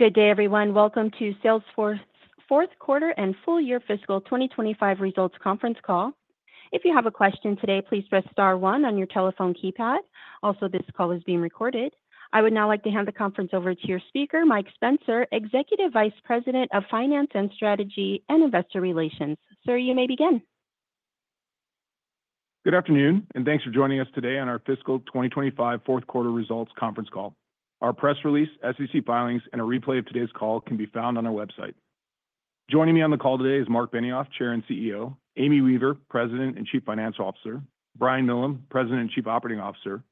Good day, everyone. Welcome to Salesforce's fourth quarter and full year fiscal 2025 results conference call. If you have a question today, please press star one on your telephone keypad. Also, this call is being recorded. I would now like to hand the conference over to your speaker, Mike Spencer, Executive Vice President of Finance and Strategy and Investor Relations. Sir, you may begin. Good afternoon, and thanks for joining us today on our fiscal 2025 fourth quarter results conference call. Our press release, SEC filings, and a replay of today's call can be found on our website. Joining me on the call today is Marc Benioff, Chair and CEO, Amy Weaver, President and Chief Financial Officer, and Brian Millham, President and Chief Operating Officer.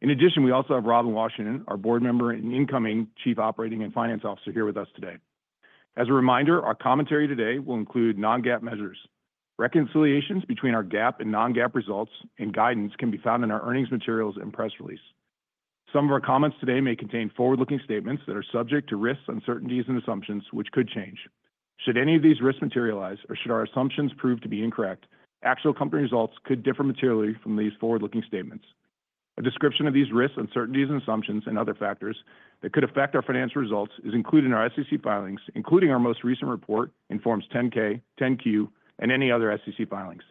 In addition, we also have Robin Washington, our Board Member and incoming Chief Operating and Financial Officer here with us today. As a reminder, our commentary today will include non-GAAP measures. Reconciliations between our GAAP and non-GAAP results and guidance can be found in our earnings materials and press release. Some of our comments today may contain forward-looking statements that are subject to risks, uncertainties, and assumptions, which could change. Should any of these risks materialize, or should our assumptions prove to be incorrect, actual company results could differ materially from these forward-looking statements. A description of these risks, uncertainties, and assumptions, and other factors that could affect our financial results is included in our SEC filings, including our most recent report, Form 10-K, 10-Q, and any other SEC filings.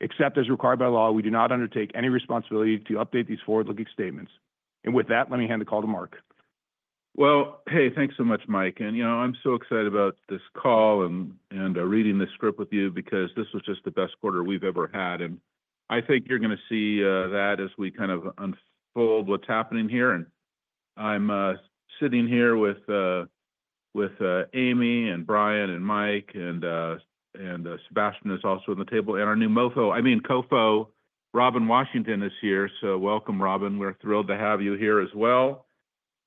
Except as required by law, we do not undertake any responsibility to update these forward-looking statements. And with that, let me hand the call to Marc. Well, hey, thanks so much, Mike. And, you know, I'm so excited about this call and reading this script with you because this was just the best quarter we've ever had. And I think you're going to see that as we kind of unfold what's happening here. And I'm sitting here with Amy and Brian and Mike, and Sabastian is also at the table. And our new MOFO, I mean, COFO, Robin Washington, is here. So welcome, Robin. We're thrilled to have you here as well.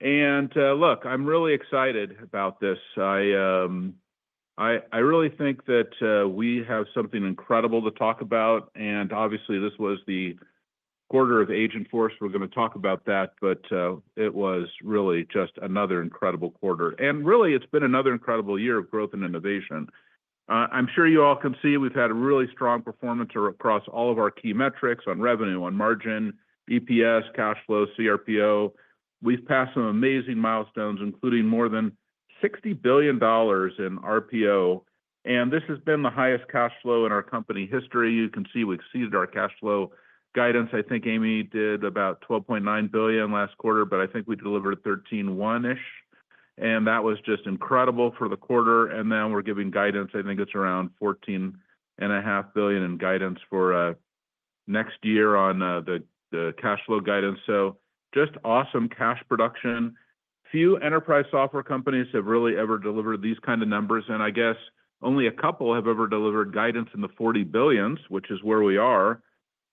And look, I'm really excited about this. I really think that we have something incredible to talk about. And obviously, this was the quarter of Agentforce. We're going to talk about that, but it was really just another incredible quarter. And really, it's been another incredible year of growth and innovation. I'm sure you all can see we've had a really strong performance across all of our key metrics on revenue, on margin, EPS, cash flow, cRPO. We've passed some amazing milestones, including more than $60 billion in RPO. And this has been the highest cash flow in our company history. You can see we exceeded our cash flow guidance. I think Amy did about $12.9 billion last quarter, but I think we delivered $13.1 ish. And that was just incredible for the quarter. And now we're giving guidance. I think it's around $14.5 billion in guidance for next year on the cash flow guidance. So just awesome cash production. Few enterprise software companies have really ever delivered these kinds of numbers. And I guess only a couple have ever delivered guidance in the $40 billion, which is where we are.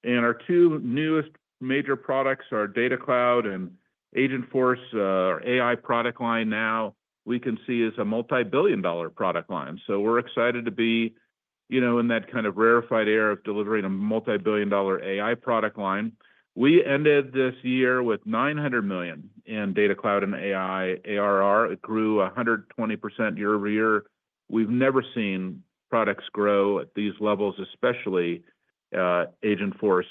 Our two newest major products, our Data Cloud and Agentforce, our AI product line now, we can see is a multi-billion dollar product line. We're excited to be, you know, in that kind of rarefied era of delivering a multi-billion dollar AI product line. We ended this year with $900 million in Data Cloud and AI ARR. It grew 120% year over year. We've never seen products grow at these levels, especially Agentforce.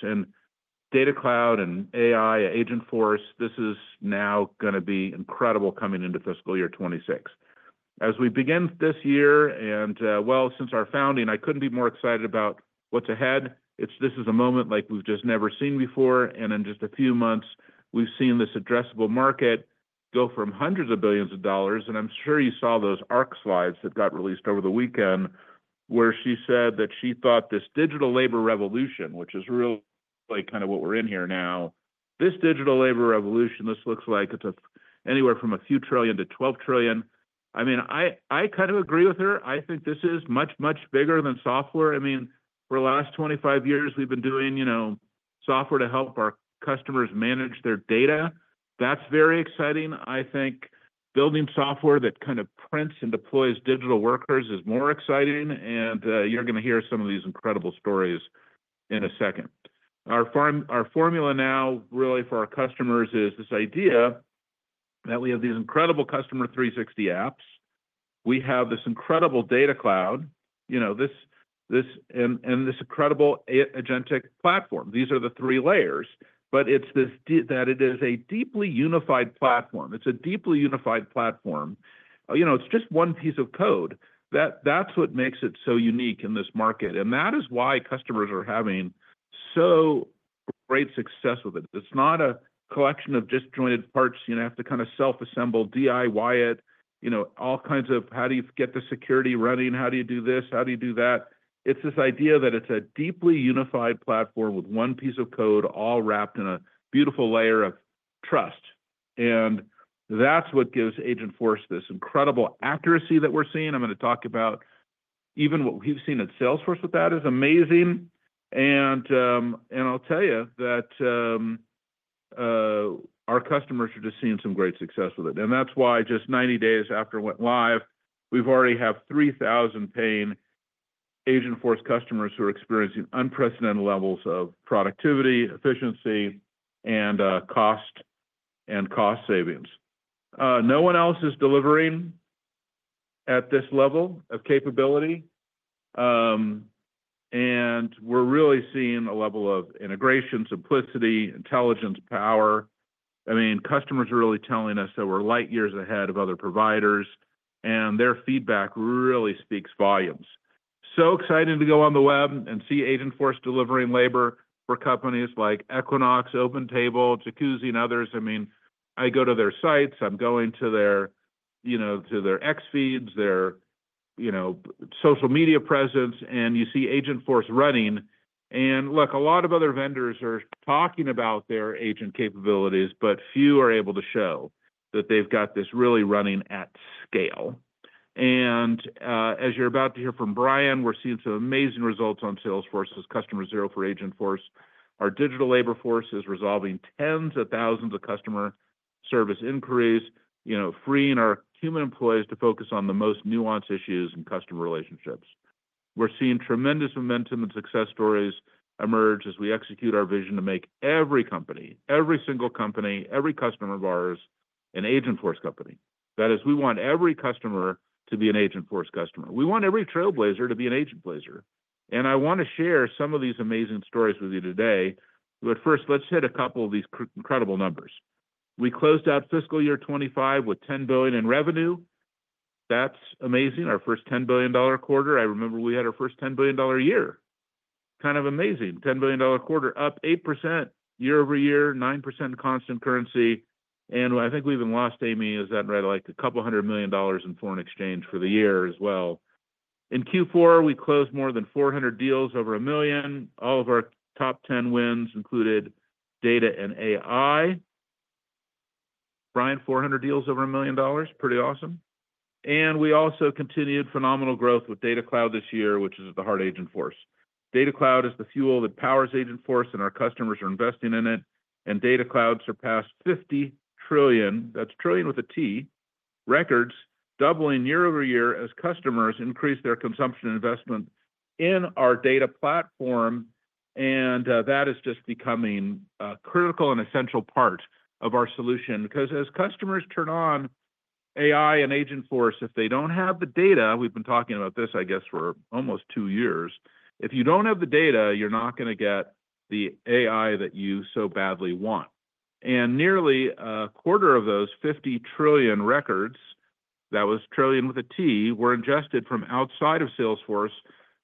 Data Cloud and AI, Agentforce, this is now going to be incredible coming into fiscal year 2026. As we begin this year, and well, since our founding, I couldn't be more excited about what's ahead. This is a moment like we've just never seen before. In just a few months, we've seen this addressable market go from hundreds of billions of dollars. I'm sure you saw those ARK slides that got released over the weekend, where she said that she thought this digital labor revolution, which is really kind of what we're in here now, this digital labor revolution, this looks like it's anywhere from a few trillion to $12 trillion. I mean, I kind of agree with her. I think this is much, much bigger than software. I mean, for the last 25 years, we've been doing, you know, software to help our customers manage their data. That's very exciting. I think building software that kind of prints and deploys digital workers is more exciting. You're going to hear some of these incredible stories in a second. Our formula now, really, for our customers is this idea that we have these incredible Customer 360 apps. We have this incredible Data Cloud, you know, and this incredible agentic platform. These are the three layers. It's this that it is a deeply unified platform. You know, it's just one piece of code. That's what makes it so unique in this market. That is why customers are having so great success with it. It's not a collection of disjointed parts. You have to kind of self-assemble, DIY it, you know, all kinds of how do you get the security running? How do you do this? How do you do that? It's this idea that it's a deeply unified platform with one piece of code all wrapped in a beautiful layer of trust. That's what gives Agentforce this incredible accuracy that we're seeing. I'm going to talk about even what we've seen at Salesforce with that is amazing. I'll tell you that our customers are just seeing some great success with it. And that's why just 90 days after it went live, we've already had 3,000 paying Agentforce customers who are experiencing unprecedented levels of productivity, efficiency, and cost savings. No one else is delivering at this level of capability. And we're really seeing a level of integration, simplicity, intelligence, power. I mean, customers are really telling us that we're light years ahead of other providers. And their feedback really speaks volumes. So exciting to go on the web and see Agentforce delivering labor for companies like Equinox, OpenTable, Jacuzzi, and others. I mean, I go to their sites. I'm going to their, you know, to their X feeds, their, you know, social media presence. And you see Agentforce running. And look, a lot of other vendors are talking about their agent capabilities, but few are able to show that they've got this really running at scale. As you're about to hear from Brian, we're seeing some amazing results on Salesforce's Customer Zero for Agentforce. Our digital labor force is resolving tens of thousands of customer service inquiries, you know, freeing our human employees to focus on the most nuanced issues in customer relationships. We're seeing tremendous momentum and success stories emerge as we execute our vision to make every company, every single company, every customer of ours an Agentforce company. That is, we want every customer to be an Agentforce customer. We want every Trailblazer to be an Agentblazer. I want to share some of these amazing stories with you today. First, let's hit a couple of these incredible numbers. We closed out fiscal year 2025 with $10 billion in revenue. That's amazing. Our first $10 billion quarter. I remember we had our first $10 billion year. Kind of amazing. $10 billion quarter, up 8% year over year, 9% in constant currency. I think we even lost, Amy, is that right? Like a couple hundred million dollars in foreign exchange for the year as well. In Q4, we closed more than 400 deals over a million. All of our top 10 wins included data and AI. Brian, 400 deals over a million dollars. Pretty awesome. We also continued phenomenal growth with Data Cloud this year, which is the heart of Agentforce. Data Cloud is the fuel that powers Agentforce, and our customers are investing in it. Data Cloud surpassed 50 trillion. That's trillion with a T, records doubling year over year as customers increase their consumption investment in our data platform. That is just becoming a critical and essential part of our solution. Because as customers turn on AI and Agentforce, if they don't have the data, we've been talking about this, I guess, for almost two years. If you don't have the data, you're not going to get the AI that you so badly want. And nearly a quarter of those 50 trillion records, that was trillion with a T, were ingested from outside of Salesforce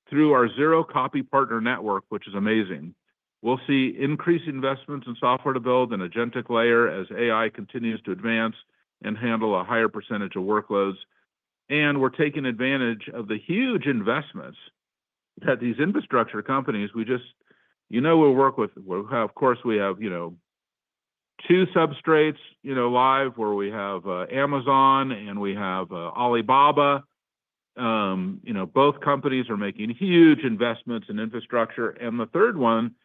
through our Zero Copy Partner Network, which is amazing. We'll see increased investments in software to build an agentic layer as AI continues to advance and handle a higher percentage of workloads. And we're taking advantage of the huge investments that these infrastructure companies, we just, you know, we'll work with. Of course, we have, you know, two substrates, you know, live where we have Amazon and we have Alibaba. You know, both companies are making huge investments in infrastructure. And the third one,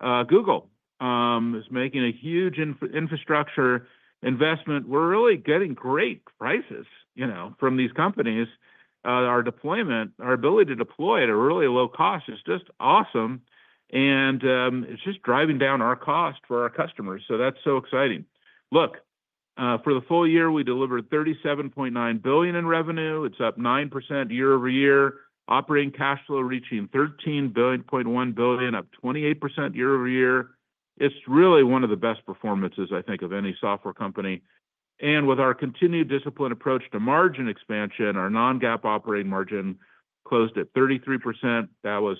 Google is making a huge infrastructure investment. We're really getting great prices, you know, from these companies. Our deployment, our ability to deploy at a really low cost is just awesome. And it's just driving down our cost for our customers. So that's so exciting. Look, for the full year, we delivered $37.9 billion in revenue. It's up 9% year over year. Operating cash flow reaching $13.1 billion, up 28% year over year. It's really one of the best performances, I think, of any software company. And with our continued discipline approach to margin expansion, our non-GAAP operating margin closed at 33%. That was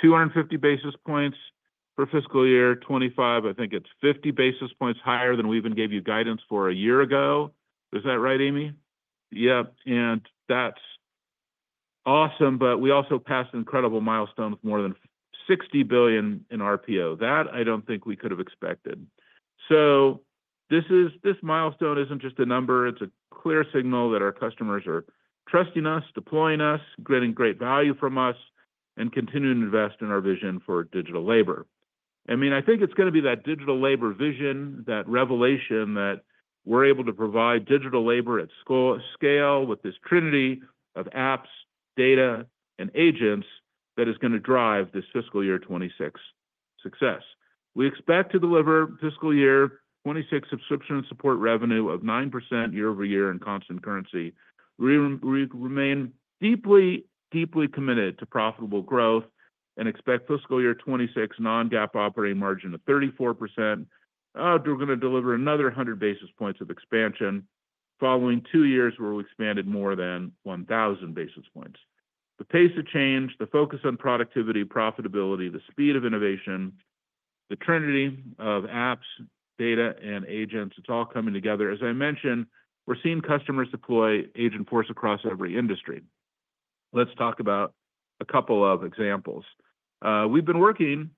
250 basis points for fiscal year '25, I think it's 50 basis points higher than we even gave you guidance for a year ago. Is that right, Amy? Yeah. And that's awesome. But we also passed an incredible milestone with more than $60 billion in RPO. That I don't think we could have expected. So this milestone isn't just a number. It's a clear signal that our customers are trusting us, deploying us, getting great value from us, and continuing to invest in our vision for digital labor. I mean, I think it's going to be that digital labor vision, that revelation that we're able to provide digital labor at scale with this trinity of apps, data, and agents that is going to drive this fiscal year 2026 success. We expect to deliver fiscal year 2026 subscription support revenue of 9% year over year in constant currency. We remain deeply, deeply committed to profitable growth and expect fiscal year 2026 non-GAAP operating margin of 34%. We're going to deliver another 100 basis points of expansion following two years where we expanded more than 1,000 basis points. The pace of change, the focus on productivity, profitability, the speed of innovation, the trinity of apps, data, and agents, it's all coming together. As I mentioned, we're seeing customers deploy Agentforce across every industry. Let's talk about a couple of examples. We've been working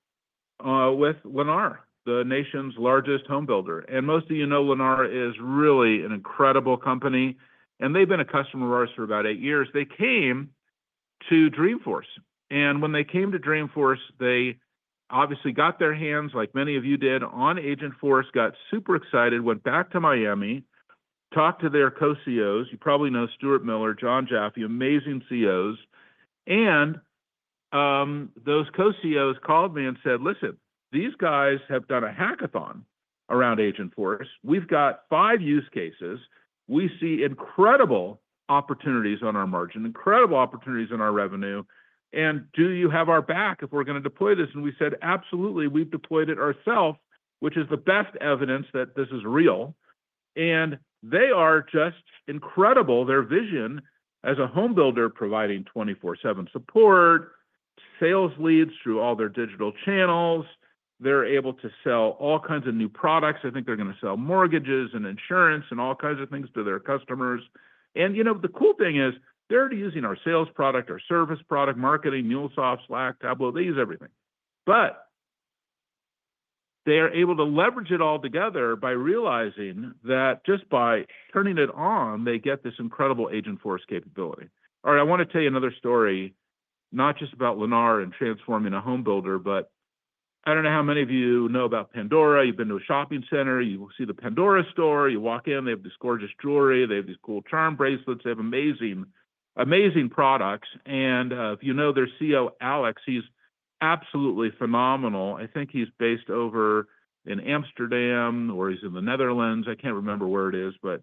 with Lennar, the nation's largest homebuilder, and most of you know Lennar is really an incredible company, and they've been a customer of ours for about eight years. They came to Dreamforce, and when they came to Dreamforce, they obviously got their hands, like many of you did, on Agentforce, got super excited, went back to Miami, talked to their co-CEOs. You probably know Stuart Miller, Jon Jaffe, amazing CEOs. Those co-CEOs called me and said, "Listen, these guys have done a hackathon around Agentforce. We've got five use cases. We see incredible opportunities on our margin, incredible opportunities in our revenue. And do you have our back if we're going to deploy this?" We said, "Absolutely. We've deployed it ourselves," which is the best evidence that this is real. They are just incredible. Their vision as a homebuilder providing 24/7 support, sales leads through all their digital channels. They are able to sell all kinds of new products. I think they are going to sell mortgages and insurance and all kinds of things to their customers. You know, the cool thing is they are already using our sales product, our service product, marketing, MuleSoft, Slack, Tableau. They use everything. But they are able to leverage it all together by realizing that just by turning it on, they get this incredible Agentforce capability. All right, I want to tell you another story, not just about Lennar and transforming a homebuilder, but I don't know how many of you know about Pandora. You've been to a shopping center. You will see the Pandora store. You walk in, they have this gorgeous jewelry. They have these cool charm bracelets. They have amazing, amazing products. And if you know their CEO, Alex, he's absolutely phenomenal. I think he's based over in Amsterdam or he's in the Netherlands. I can't remember where it is, but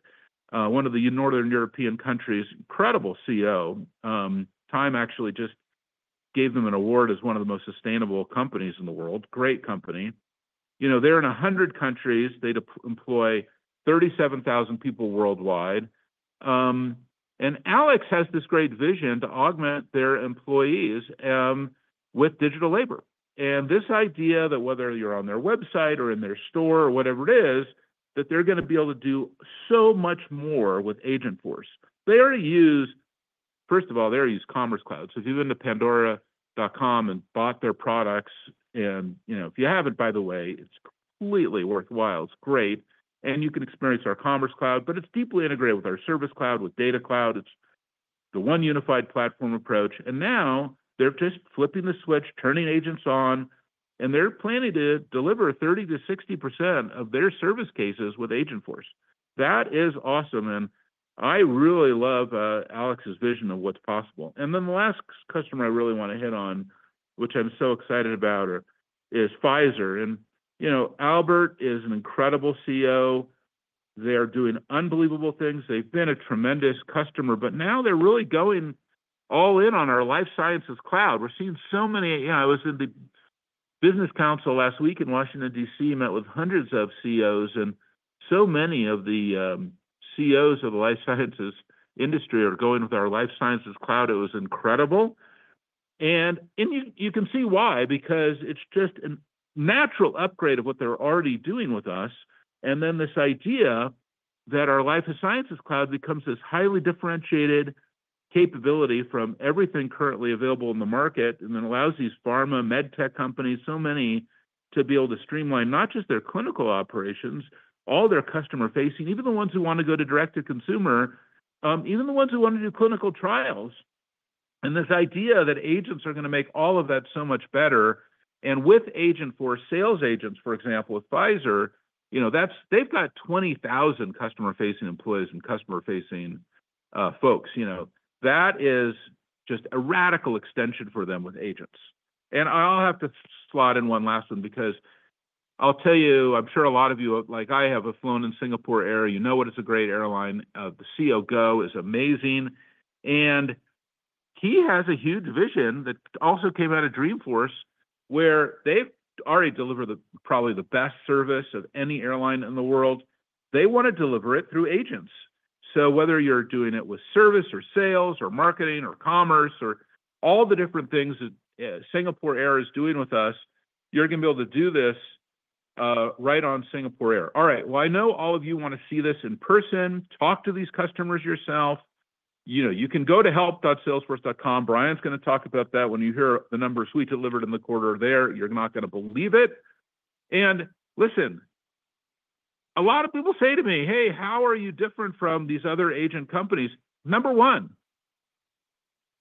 one of the Northern European countries, incredible CEO. Time actually just gave them an award as one of the most sustainable companies in the world. Great company. You know, they're in 100 countries. They employ 37,000 people worldwide. And Alex has this great vision to augment their employees with digital labor. And this idea that whether you're on their website or in their store or whatever it is, that they're going to be able to do so much more with Agentforce. They already use, first of all, they already use Commerce Cloud. So if you've been to Pandora.com and bought their products, and you know, if you haven't, by the way, it's completely worthwhile. It's great. And you can experience our Commerce Cloud, but it's deeply integrated with our Service Cloud, with Data Cloud. It's the one unified platform approach. And now they're just flipping the switch, turning agents on, and they're planning to deliver 30%-60% of their service cases with Agentforce. That is awesome. And I really love Alex's vision of what's possible. And then the last customer I really want to hit on, which I'm so excited about, is Pfizer. And, you know, Albert is an incredible CEO. They are doing unbelievable things. They've been a tremendous customer, but now they're really going all in on our Life Sciences Cloud. We're seeing so many, you know. I was in the business council last week in Washington, D.C., met with hundreds of CEOs, and so many of the CEOs of the life sciences industry are going with our Life Sciences Cloud. It was incredible. And you can see why, because it's just a natural upgrade of what they're already doing with us. And then this idea that our Life Sciences Cloud becomes this highly differentiated capability from everything currently available in the market, and then allows these pharma, med tech companies, so many to be able to streamline not just their clinical operations, all their customer facing, even the ones who want to go to direct-to-consumer, even the ones who want to do clinical trials. And this idea that agents are going to make all of that so much better. And with Agentforce Sales Agents, for example, with Pfizer, you know, they've got 20,000 customer-facing employees and customer-facing folks. You know, that is just a radical extension for them with agents. And I'll have to slot in one last one because I'll tell you, I'm sure a lot of you, like I have flown in Singapore Air, you know what is a great airline. The CEO, Goh, is amazing. And he has a huge vision that also came out of Dreamforce, where they've already delivered probably the best service of any airline in the world. They want to deliver it through agents. So whether you're doing it with service or sales or marketing or commerce or all the different things that Singapore Air is doing with us, you're going to be able to do this right on Singapore Air. All right. Well, I know all of you want to see this in person, talk to these customers yourself. You know, you can go to help.salesforce.com. Brian's going to talk about that. When you hear the numbers we delivered in the quarter there, you're not going to believe it. And listen, a lot of people say to me, "Hey, how are you different from these other agent companies?" Number one,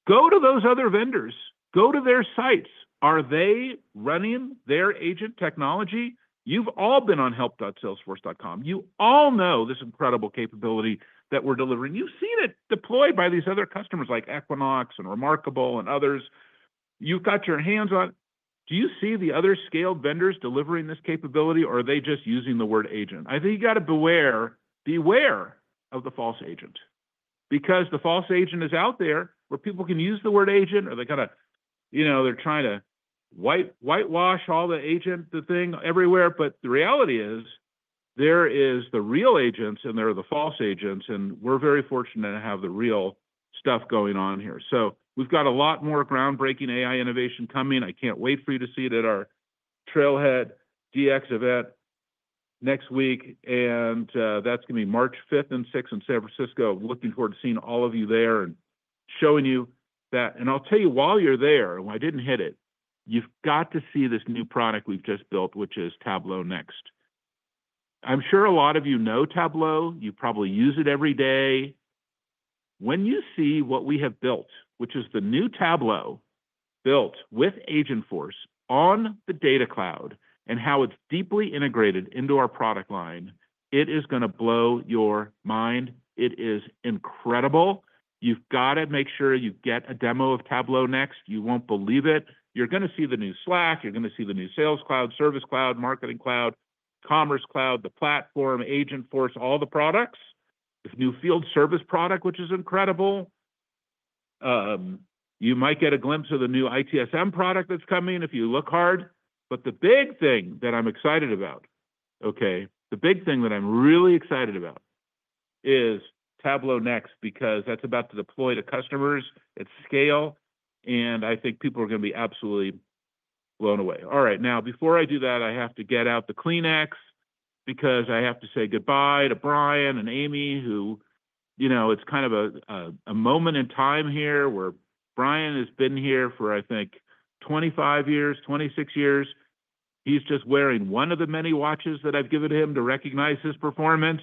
go to those other vendors. Go to their sites. Are they running their agent technology? You've all been on help.salesforce.com. You all know this incredible capability that we're delivering. You've seen it deployed by these other customers like Equinox and reMarkable and others. You've got your hands on it. Do you see the other scaled vendors delivering this capability, or are they just using the word agent? I think you got to beware, beware of the false agent. Because the false agent is out there where people can use the word agent, or they kind of, you know, they're trying to whitewash all the agent, the thing everywhere. But the reality is there are the real agents and there are the false agents. And we're very fortunate to have the real stuff going on here. So we've got a lot more groundbreaking AI innovation coming. I can't wait for you to see it at our TrailheaDX event next week. And that's going to be March 5th and 6th in San Francisco. Looking forward to seeing all of you there and showing you that. And I'll tell you, while you're there, and I didn't hit it, you've got to see this new product we've just built, which is Tableau Next. I'm sure a lot of you know Tableau. You probably use it every day. When you see what we have built, which is the new Tableau built with Agentforce on the Data Cloud and how it's deeply integrated into our product line, it is going to blow your mind. It is incredible. You've got to make sure you get a demo of Tableau Next. You won't believe it. You're going to see the new Slack. You're going to see the new Sales Cloud, Service Cloud, Marketing Cloud, Commerce Cloud, the platform, Agentforce, all the products. This new Field Service product, which is incredible. You might get a glimpse of the new ITSM product that's coming if you look hard. But the big thing that I'm excited about, okay, the big thing that I'm really excited about is Tableau Next because that's about to deploy to customers at scale. And I think people are going to be absolutely blown away. All right. Now, before I do that, I have to get out the Kleenex because I have to say goodbye to Brian and Amy, who, you know, it's kind of a moment in time here where Brian has been here for, I think, 25 years, 26 years. He's just wearing one of the many watches that I've given him to recognize his performance.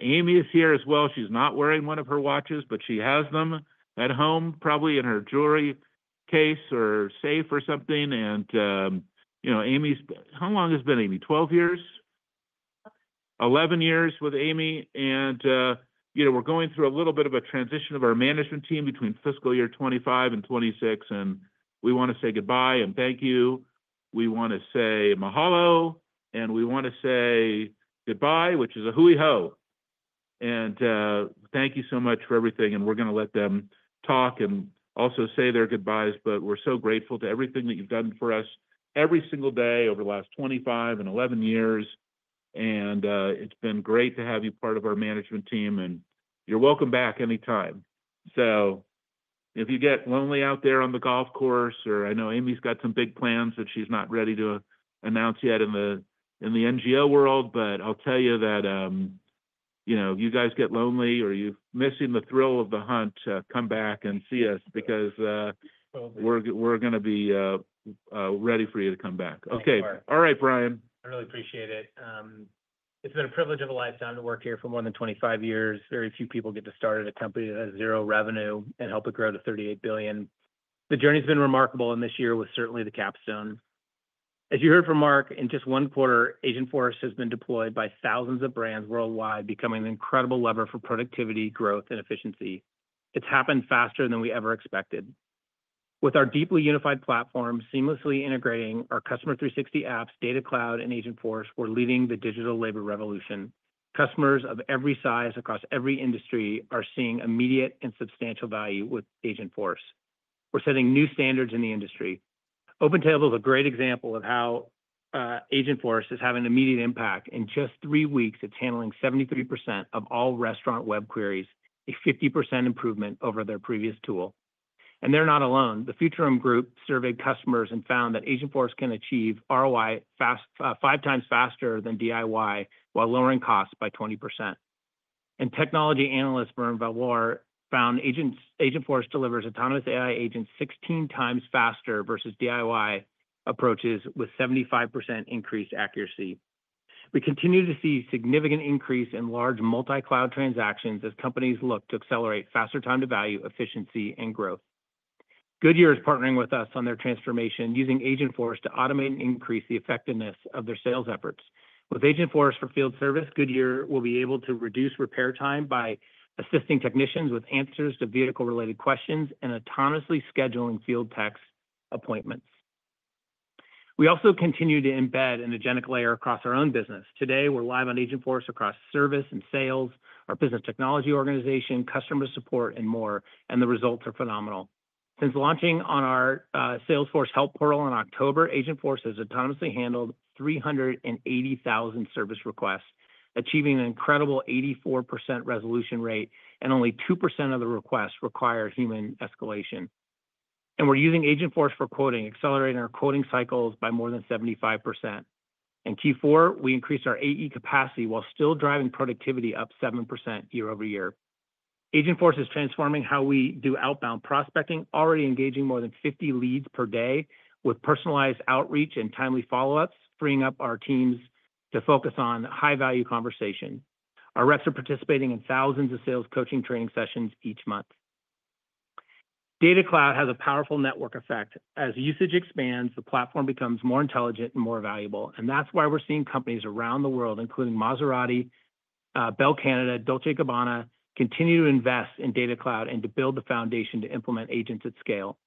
Amy is here as well. She's not wearing one of her watches, but she has them at home, probably in her jewelry case or safe or something. You know, Amy's, how long has it been, Amy? 12 years? 11 years with Amy. You know, we're going through a little bit of a transition of our management team between fiscal year 2025 and 2026. We want to say goodbye and thank you. We want to say mahalo, and we want to say goodbye, which is an aloha. Thank you so much for everything. We're going to let them talk and also say their goodbyes. We're so grateful to everything that you've done for us every single day over the last 25 and 11 years. It's been great to have you part of our management team. You're welcome back anytime. So if you get lonely out there on the golf course, or I know Amy's got some big plans that she's not ready to announce yet in the NGO world, but I'll tell you that, you know, if you guys get lonely or you're missing the thrill of the hunt, come back and see us because we're going to be ready for you to come back. Okay. All right, Brian. I really appreciate it. It's been a privilege of a lifetime to work here for more than 25 years. Very few people get to start at a company that has zero revenue and help it grow to $38 billion. The journey has been remarkable, and this year was certainly the capstone. As you heard from Marc, in just one quarter, Agentforce has been deployed by thousands of brands worldwide, becoming an incredible lever for productivity, growth, and efficiency. It's happened faster than we ever expected. With our deeply unified platform, seamlessly integrating our Customer 360 apps, Data Cloud, and Agentforce, we're leading the digital labor revolution. Customers of every size across every industry are seeing immediate and substantial value with Agentforce. We're setting new standards in the industry. OpenTable is a great example of how Agentforce is having an immediate impact. In just three weeks, it's handling 73% of all restaurant web queries, a 50% improvement over their previous tool. And they're not alone. The Futurum Group surveyed customers and found that Agentforce can achieve ROI five times faster than DIY while lowering costs by 20%. And technology analyst Valoir found Agentforce delivers autonomous AI agents 16 times faster versus DIY approaches with 75% increased accuracy. We continue to see a significant increase in large multi-cloud transactions as companies look to accelerate faster time to value, efficiency, and growth. Goodyear is partnering with us on their transformation, using Agentforce to automate and increase the effectiveness of their sales efforts. With Agentforce for Field Service, Goodyear will be able to reduce repair time by assisting technicians with answers to vehicle-related questions and autonomously scheduling field techs' appointments. We also continue to embed an agentic layer across our own business. Today, we're live on Agentforce across service and sales, our Business Technology organization, customer support, and more. And the results are phenomenal. Since launching on our Salesforce Help portal in October, Agentforce has autonomously handled 380,000 service requests, achieving an incredible 84% resolution rate, and only 2% of the requests require human escalation. And we're using Agentforce for quoting, accelerating our quoting cycles by more than 75%. In Q4, we increased our AE capacity while still driving productivity up 7% year over year. Agentforce is transforming how we do outbound prospecting, already engaging more than 50 leads per day with personalized outreach and timely follow-ups, freeing up our teams to focus on high-value conversation. Our reps are participating in thousands of sales coaching training sessions each month. Data Cloud has a powerful network effect. As usage expands, the platform becomes more intelligent and more valuable. And that's why we're seeing companies around the world, including Maserati, Bell Canada, Dolce & Gabbana, continue to invest in Data Cloud and to build the foundation to implement agents at scale.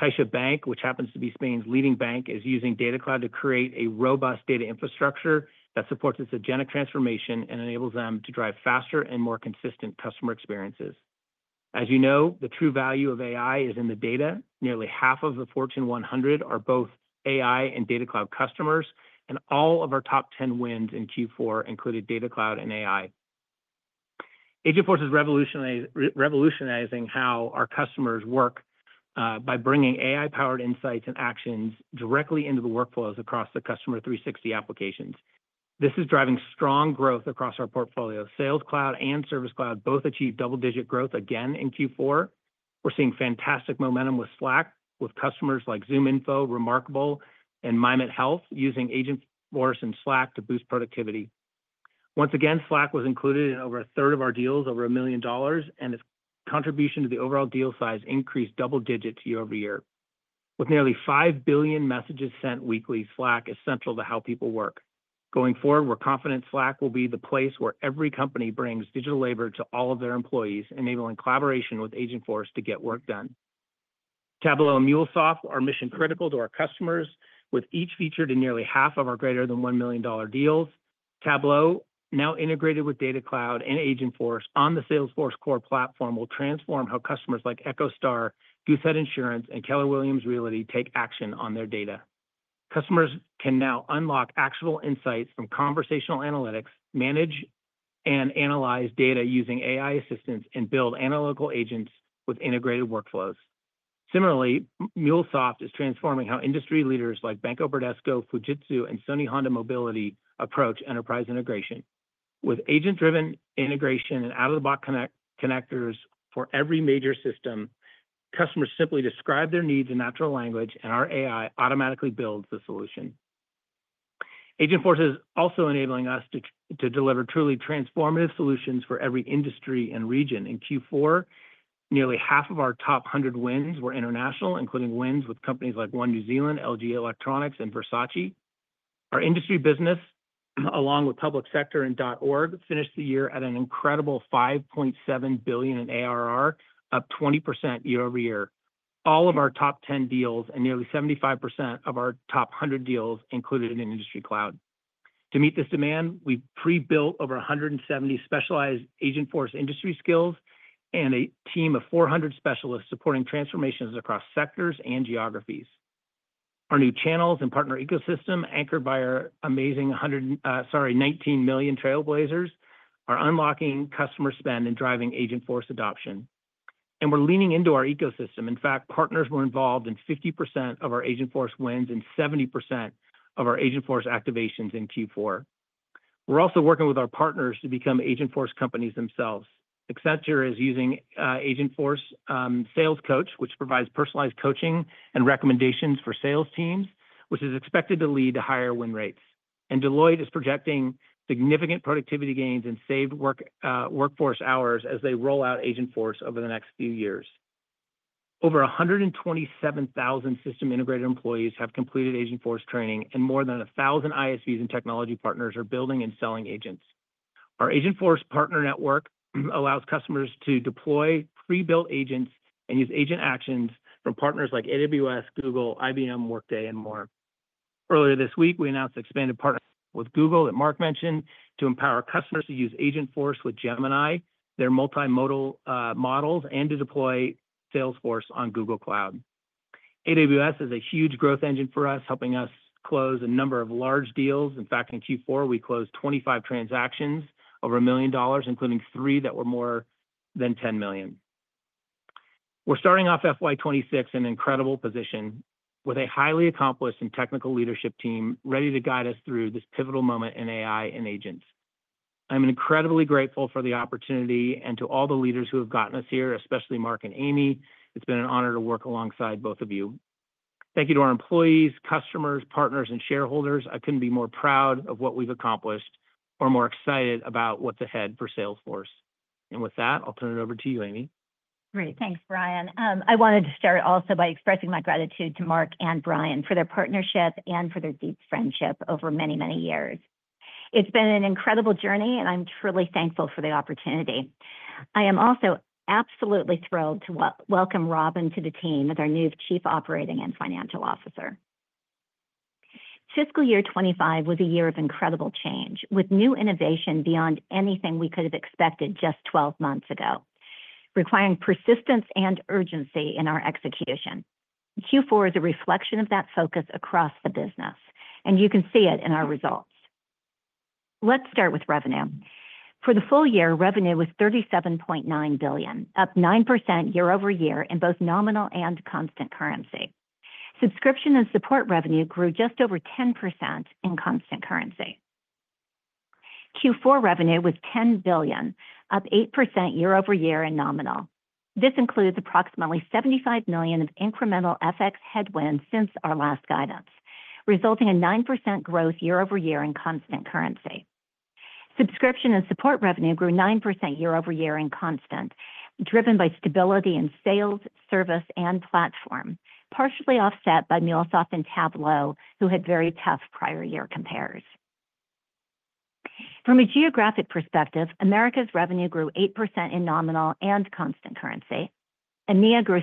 CaixaBank, which happens to be Spain's leading bank, is using Data Cloud to create a robust data infrastructure that supports its agentic transformation and enables them to drive faster and more consistent customer experiences. As you know, the true value of AI is in the data. Nearly half of the Fortune 100 are both AI and Data Cloud customers. And all of our top 10 wins in Q4 included Data Cloud and AI. Agentforce is revolutionizing how our customers work by bringing AI-powered insights and actions directly into the workflows across the Customer 360 applications. This is driving strong growth across our portfolio. Sales Cloud and Service Cloud both achieved double-digit growth again in Q4. We're seeing fantastic momentum with Slack, with customers like ZoomInfo, reMarkable, and MyMetHealth using Agentforce and Slack to boost productivity. Once again, Slack was included in over a third of our deals over $1 million, and its contribution to the overall deal size increased double-digit year over year. With nearly 5 billion messages sent weekly, Slack is central to how people work. Going forward, we're confident Slack will be the place where every company brings digital labor to all of their employees, enabling collaboration with Agentforce to get work done. Tableau and MuleSoft, our mission-critical to our customers, with each featured in nearly half of our greater than $1 million deals. Tableau, now integrated with Data Cloud and Agentforce on the Salesforce Core platform, will transform how customers like EchoStar, Goosehead Insurance, and Keller Williams Realty take action on their data. Customers can now unlock actionable insights from conversational analytics, manage and analyze data using AI assistance, and build analytical agents with integrated workflows. Similarly, MuleSoft is transforming how industry leaders like Banco Bradesco, Fujitsu, and Sony Honda Mobility approach enterprise integration. With agent-driven integration and out-of-the-box connectors for every major system, customers simply describe their needs in natural language, and our AI automatically builds the solution. Agentforce is also enabling us to deliver truly transformative solutions for every industry and region. In Q4, nearly half of our top 100 wins were international, including wins with companies like One New Zealand, LG Electronics, and Versace. Our industry business, along with public sector and .org, finished the year at an incredible $5.7 billion in ARR, up 20% year over year. All of our top 10 deals and nearly 75% of our top 100 deals included in Industry Cloud. To meet this demand, we pre-built over 170 specialized Agentforce industry skills and a team of 400 specialists supporting transformations across sectors and geographies. Our new channels and partner ecosystem, anchored by our amazing 19 million Trailblazers, are unlocking customer spend and driving Agentforce adoption. And we're leaning into our ecosystem. In fact, partners were involved in 50% of our Agentforce wins and 70% of our Agentforce activations in Q4. We're also working with our partners to become Agentforce companies themselves. Accenture is using Agentforce Sales Coach, which provides personalized coaching and recommendations for sales teams, which is expected to lead to higher win rates. Deloitte is projecting significant productivity gains and saved workforce hours as they roll out Agentforce over the next few years. Over 127,000 system integrator employees have completed Agentforce training, and more than 1,000 ISVs and technology partners are building and selling agents. Our Agentforce Partner Network allows customers to deploy pre-built agents and use agent actions from partners like AWS, Google, IBM, Workday, and more. Earlier this week, we announced expanded partnerships with Google that Marc mentioned to empower customers to use Agentforce with Gemini, their multimodal models, and to deploy Salesforce on Google Cloud. AWS is a huge growth engine for us, helping us close a number of large deals. In fact, in Q4, we closed 25 transactions over $1 million, including three that were more than $10 million. We're starting off FY26 in an incredible position with a highly accomplished and technical leadership team ready to guide us through this pivotal moment in AI and agents. I'm incredibly grateful for the opportunity and to all the leaders who have gotten us here, especially Marc and Amy. It's been an honor to work alongside both of you. Thank you to our employees, customers, partners, and shareholders. I couldn't be more proud of what we've accomplished or more excited about what's ahead for Salesforce, and with that, I'll turn it over to you, Amy. Great. Thanks, Brian. I wanted to start also by expressing my gratitude to Marc and Brian for their partnership and for their deep friendship over many, many years. It's been an incredible journey, and I'm truly thankful for the opportunity. I am also absolutely thrilled to welcome Robin to the team as our new Chief Operating and Financial Officer. Fiscal year '25 was a year of incredible change, with new innovation beyond anything we could have expected just 12 months ago, requiring persistence and urgency in our execution. Q4 is a reflection of that focus across the business, and you can see it in our results. Let's start with revenue. For the full year, revenue was $37.9 billion, up 9% year over year in both nominal and constant currency. Subscription and support revenue grew just over 10% in constant currency. Q4 revenue was $10 billion, up 8% year over year in nominal. This includes approximately $75 million of incremental FX headwinds since our last guidance, resulting in 9% growth year over year in constant currency. Subscription and support revenue grew 9% year over year in constant currency, driven by stability in sales, service, and platform, partially offset by MuleSoft and Tableau, who had very tough prior year compares. From a geographic perspective, Americas revenue grew 8% in nominal and constant currency. EMEA grew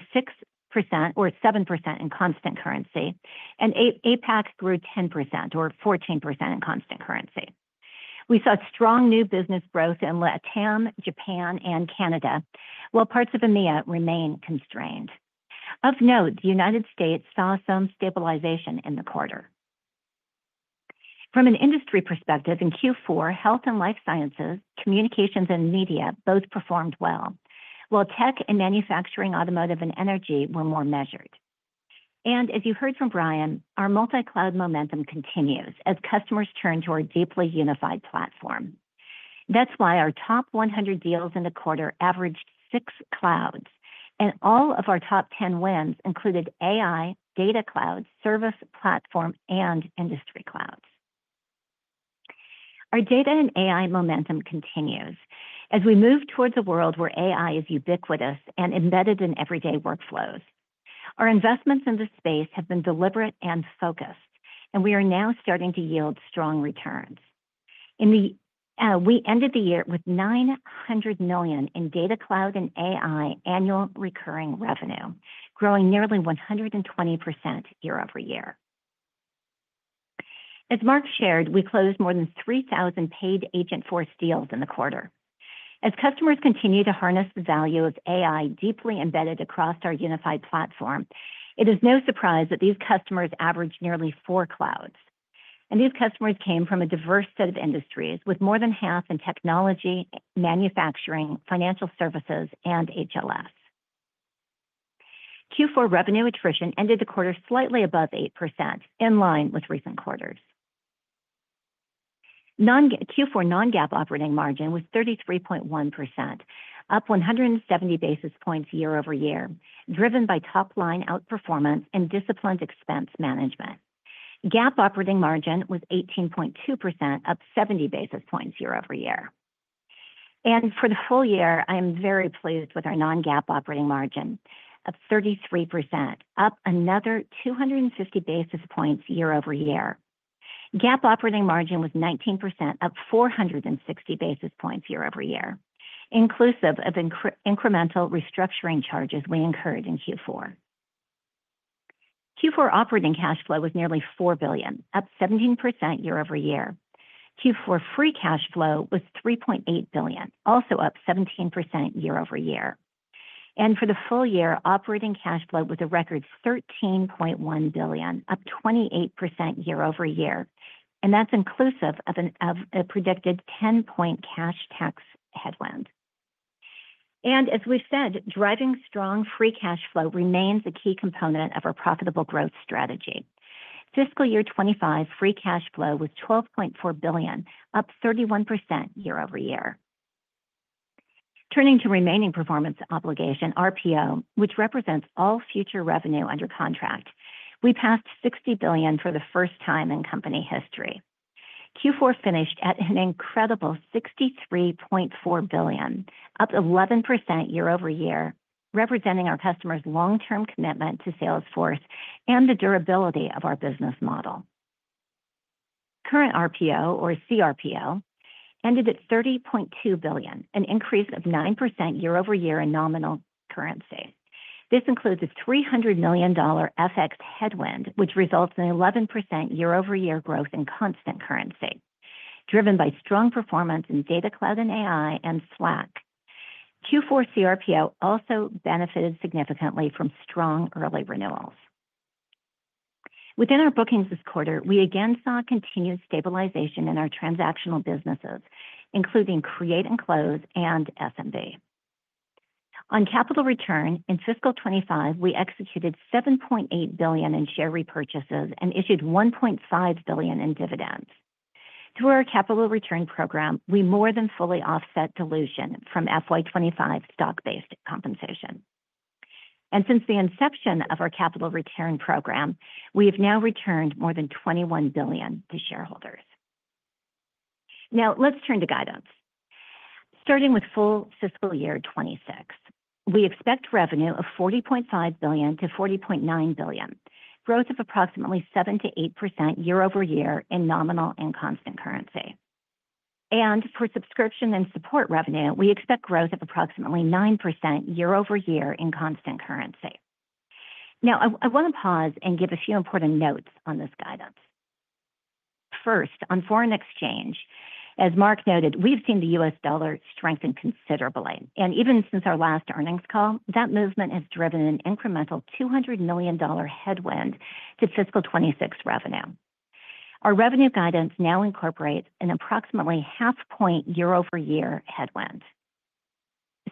6% or 7% in constant currency, and APAC grew 10% or 14% in constant currency. We saw strong new business growth in Latam, Japan, and Canada, while parts of EMEA remained constrained. Of note, the United States saw some stabilization in the quarter. From an industry perspective, in Q4, health and life sciences, communications, and media both performed well, while tech and manufacturing, automotive, and energy were more measured. And as you heard from Brian, our multi-cloud momentum continues as customers turn to our deeply unified platform. That's why our top 100 deals in the quarter averaged six clouds, and all of our top 10 wins included AI, Data Cloud, Service Cloud, and Industry Clouds. Our data and AI momentum continues as we move towards a world where AI is ubiquitous and embedded in everyday workflows. Our investments in this space have been deliberate and focused, and we are now starting to yield strong returns. We ended the year with $900 million in Data Cloud and AI annual recurring revenue, growing nearly 120% year over year. As Marc shared, we closed more than 3,000 paid Agentforce deals in the quarter. As customers continue to harness the value of AI deeply embedded across our unified platform, it is no surprise that these customers averaged nearly four clouds, and these customers came from a diverse set of industries, with more than half in technology, manufacturing, financial services, and HLS. Q4 revenue attrition ended the quarter slightly above 8%, in line with recent quarters. Q4 non-GAAP operating margin was 33.1%, up 170 basis points year over year, driven by top-line outperformance and disciplined expense management. GAAP operating margin was 18.2%, up 70 basis points year over year. And for the full year, I am very pleased with our non-GAAP operating margin of 33%, up another 250 basis points year over year. GAAP operating margin was 19%, up 460 basis points year over year, inclusive of incremental restructuring charges we incurred in Q4. Q4 operating cash flow was nearly $4 billion, up 17% year over year. Q4 free cash flow was $3.8 billion, also up 17% year over year. And for the full year, operating cash flow was a record $13.1 billion, up 28% year over year. And that's inclusive of a predicted 10-point cash tax headwind. As we've said, driving strong free cash flow remains a key component of our profitable growth strategy. Fiscal year 2025 free cash flow was $12.4 billion, up 31% year over year. Turning to remaining performance obligation, RPO, which represents all future revenue under contract, we passed $60 billion for the first time in company history. Q4 finished at an incredible $63.4 billion, up 11% year over year, representing our customers' long-term commitment to Salesforce and the durability of our business model. Current RPO, or cRPO, ended at $30.2 billion, an increase of 9% year over year in nominal currency. This includes a $300 million FX headwind, which results in 11% year-over-year growth in constant currency, driven by strong performance in Data Cloud and AI and Slack. Q4 cRPO also benefited significantly from strong early renewals. Within our bookings this quarter, we again saw continued stabilization in our transactional businesses, including Create and Close and SMB. On capital return, in fiscal '25, we executed $7.8 billion in share repurchases and issued $1.5 billion in dividends. Through our capital return program, we more than fully offset dilution from FY25 stock-based compensation. And since the inception of our capital return program, we have now returned more than $21 billion to shareholders. Now, let's turn to guidance. Starting with full fiscal year '26, we expect revenue of $40.5 billion-$40.9 billion, growth of approximately 7%-8% year over year in nominal and constant currency. And for subscription and support revenue, we expect growth of approximately 9% year over year in constant currency. Now, I want to pause and give a few important notes on this guidance. First, on foreign exchange, as Marc noted, we've seen the U.S. dollar strengthen considerably. And even since our last earnings call, that movement has driven an incremental $200 million headwind to fiscal '26 revenue. Our revenue guidance now incorporates an approximately half-point year-over-year headwind.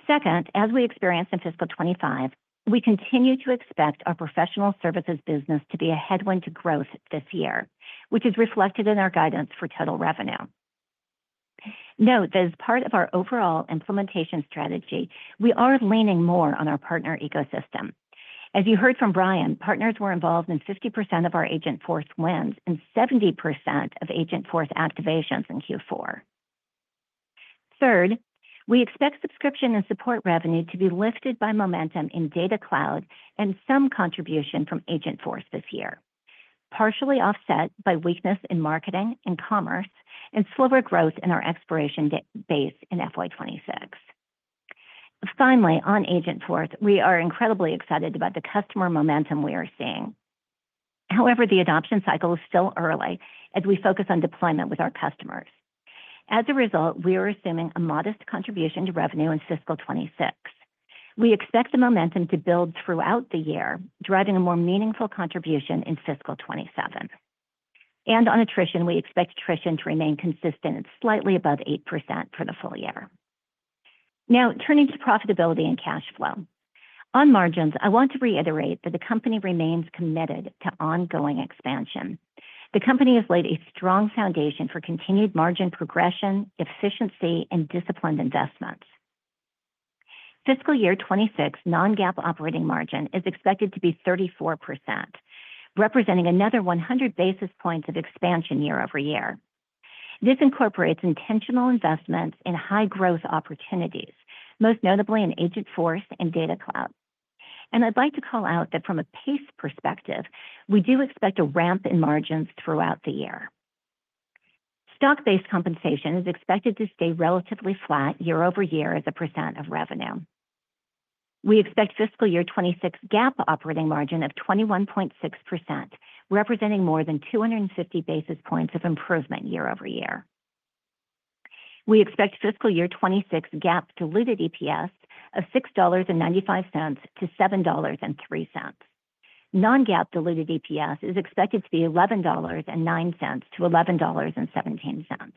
Second, as we experience in fiscal '25, we continue to expect our professional services business to be a headwind to growth this year, which is reflected in our guidance for total revenue. Note that as part of our overall implementation strategy, we are leaning more on our partner ecosystem. As you heard from Brian, partners were involved in 50% of our Agentforce wins and 70% of Agentforce activations in Q4. Third, we expect subscription and support revenue to be lifted by momentum in Data Cloud and some contribution from Agentforce this year, partially offset by weakness in marketing and commerce and slower growth in our enterprise base in FY 2026. Finally, on Agentforce, we are incredibly excited about the customer momentum we are seeing. However, the adoption cycle is still early as we focus on deployment with our customers. As a result, we are assuming a modest contribution to revenue in fiscal 2026. We expect the momentum to build throughout the year, driving a more meaningful contribution in fiscal 2027, and on attrition, we expect attrition to remain consistent at slightly above 8% for the full year. Now, turning to profitability and cash flow. On margins, I want to reiterate that the company remains committed to ongoing expansion. The company has laid a strong foundation for continued margin progression, efficiency, and disciplined investments. Fiscal year 2026 non-GAAP operating margin is expected to be 34%, representing another 100 basis points of expansion year over year. This incorporates intentional investments in high-growth opportunities, most notably in Agentforce and Data Cloud, and I'd like to call out that from a pace perspective, we do expect a ramp in margins throughout the year. Stock-based compensation is expected to stay relatively flat year over year as a % of revenue. We expect fiscal year 2026 GAAP operating margin of 21.6%, representing more than 250 basis points of improvement year over year. We expect fiscal year 2026 GAAP diluted EPS of $6.95-$7.03. Non-GAAP diluted EPS is expected to be $11.09-$11.17.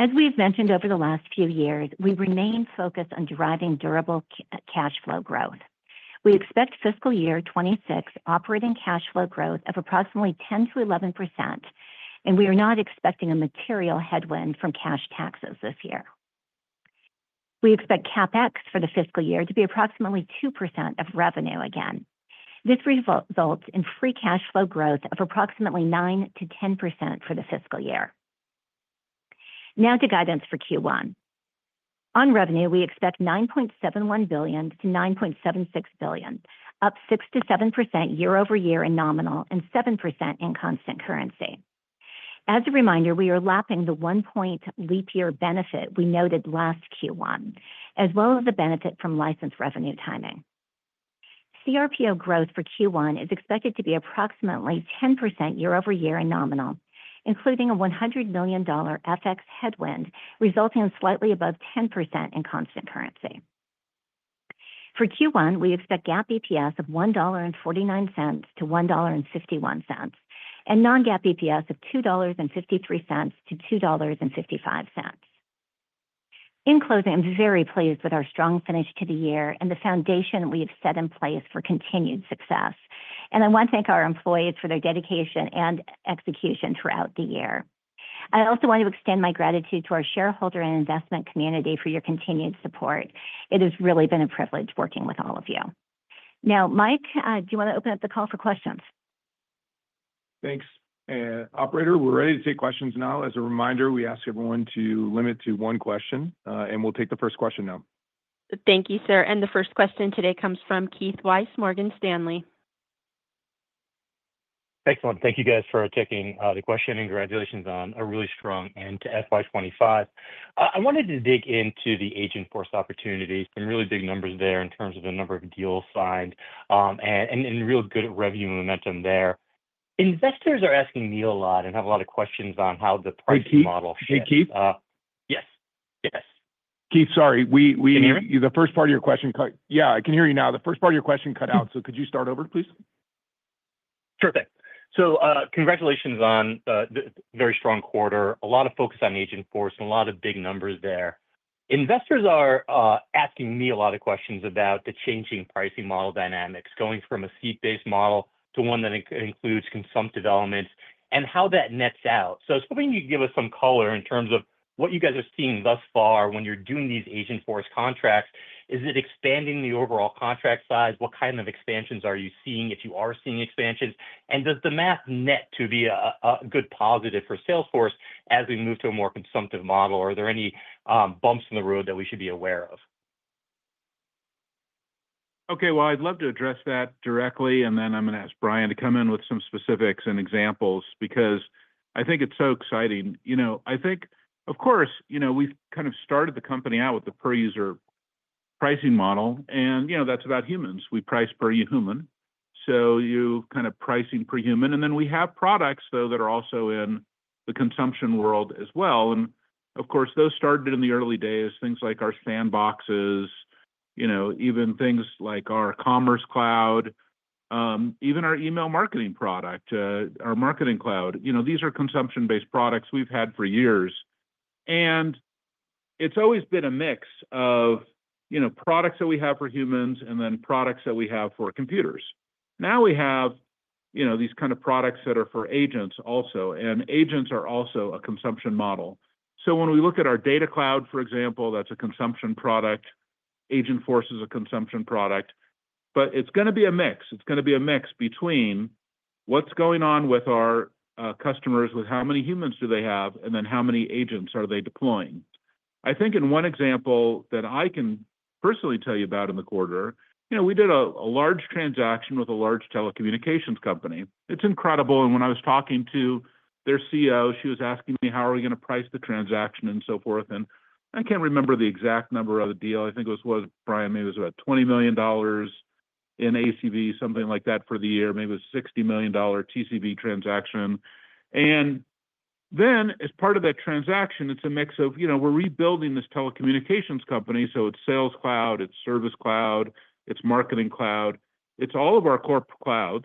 As we've mentioned over the last few years, we remain focused on driving durable cash flow growth. We expect fiscal year '26 operating cash flow growth of approximately 10%-11%, and we are not expecting a material headwind from cash taxes this year. We expect CapEx for the fiscal year to be approximately 2% of revenue again. This results in free cash flow growth of approximately 9%-10% for the fiscal year. Now to guidance for Q1. On revenue, we expect $9.71 billion-$9.76 billion, up 6%-7% year over year in nominal and 7% in constant currency. As a reminder, we are lapping the 1-point leap year benefit we noted last Q1, as well as the benefit from license revenue timing. cRPO growth for Q1 is expected to be approximately 10% year over year in nominal, including a $100 million FX headwind resulting in slightly above 10% in constant currency. For Q1, we expect GAAP EPS of $1.49-$1.51 and non-GAAP EPS of $2.53-$2.55. In closing, I'm very pleased with our strong finish to the year and the foundation we have set in place for continued success. I want to thank our employees for their dedication and execution throughout the year. I also want to extend my gratitude to our shareholder and investment community for your continued support. It has really been a privilege working with all of you. Now, Mike, do you want to open up the call for questions? Thanks. Operator, we're ready to take questions now. As a reminder, we ask everyone to limit to one question, and we'll take the first question now. Thank you, sir. The first question today comes from Keith Weiss, Morgan Stanley. Excellent. Thank you, guys, for taking the question. Congratulations on a really strong end to FY25. I wanted to dig into the Agentforce opportunities, some really big numbers there in terms of the number of deals signed and real good revenue momentum there. Investors are asking me a lot and have a lot of questions on how the pricing model shapes. Keith? Yes. Yes. Keith, sorry. Can you hear me? The first part of your question cut out. Yeah, I can hear you now. The first part of your question cut out. Could you start over, please? Perfect. Congratulations on the very strong quarter, a lot of focus on Agentforce and a lot of big numbers there. Investors are asking me a lot of questions about the changing pricing model dynamics, going from a seat-based model to one that includes consumption elements and how that nets out. I was hoping you could give us some color in terms of what you guys are seeing thus far when you're doing these Agentforce contracts. Is it expanding the overall contract size? What kind of expansions are you seeing if you are seeing expansions? And does the math net to be a good positive for Salesforce as we move to a more consumption model? Are there any bumps in the road that we should be aware of? Okay, well, I'd love to address that directly, and then I'm going to ask Brian to come in with some specifics and examples because I think it's so exciting. I think, of course, we've kind of started the company out with the per-user pricing model, and that's about humans. We price per human. You're kind of pricing per human. And then we have products, though, that are also in the consumption world as well. And of course, those started in the early days, things like our sandboxes, even things like our Commerce Cloud, even our email marketing product, our Marketing Cloud. These are consumption-based products we've had for years. And it's always been a mix of products that we have for humans and then products that we have for computers. Now we have these kind of products that are for agents also. And agents are also a consumption model. So when we look at our Data Cloud, for example, that's a consumption product. Agentforce is a consumption product. But it's going to be a mix. It's going to be a mix between what's going on with our customers, with how many humans do they have, and then how many agents are they deploying. I think in one example that I can personally tell you about in the quarter, we did a large transaction with a large telecommunications company. It's incredible, and when I was talking to their CEO, she was asking me, "How are we going to price the transaction?" and so forth, and I can't remember the exact number of the deal. I think it was, Brian, maybe it was about $20 million in ACV, something like that for the year. Maybe it was a $60 million TCV transaction, and then, as part of that transaction, it's a mix of we're rebuilding this telecommunications company. So it's Sales Cloud, it's Service Cloud, it's Marketing Cloud. It's all of our core clouds.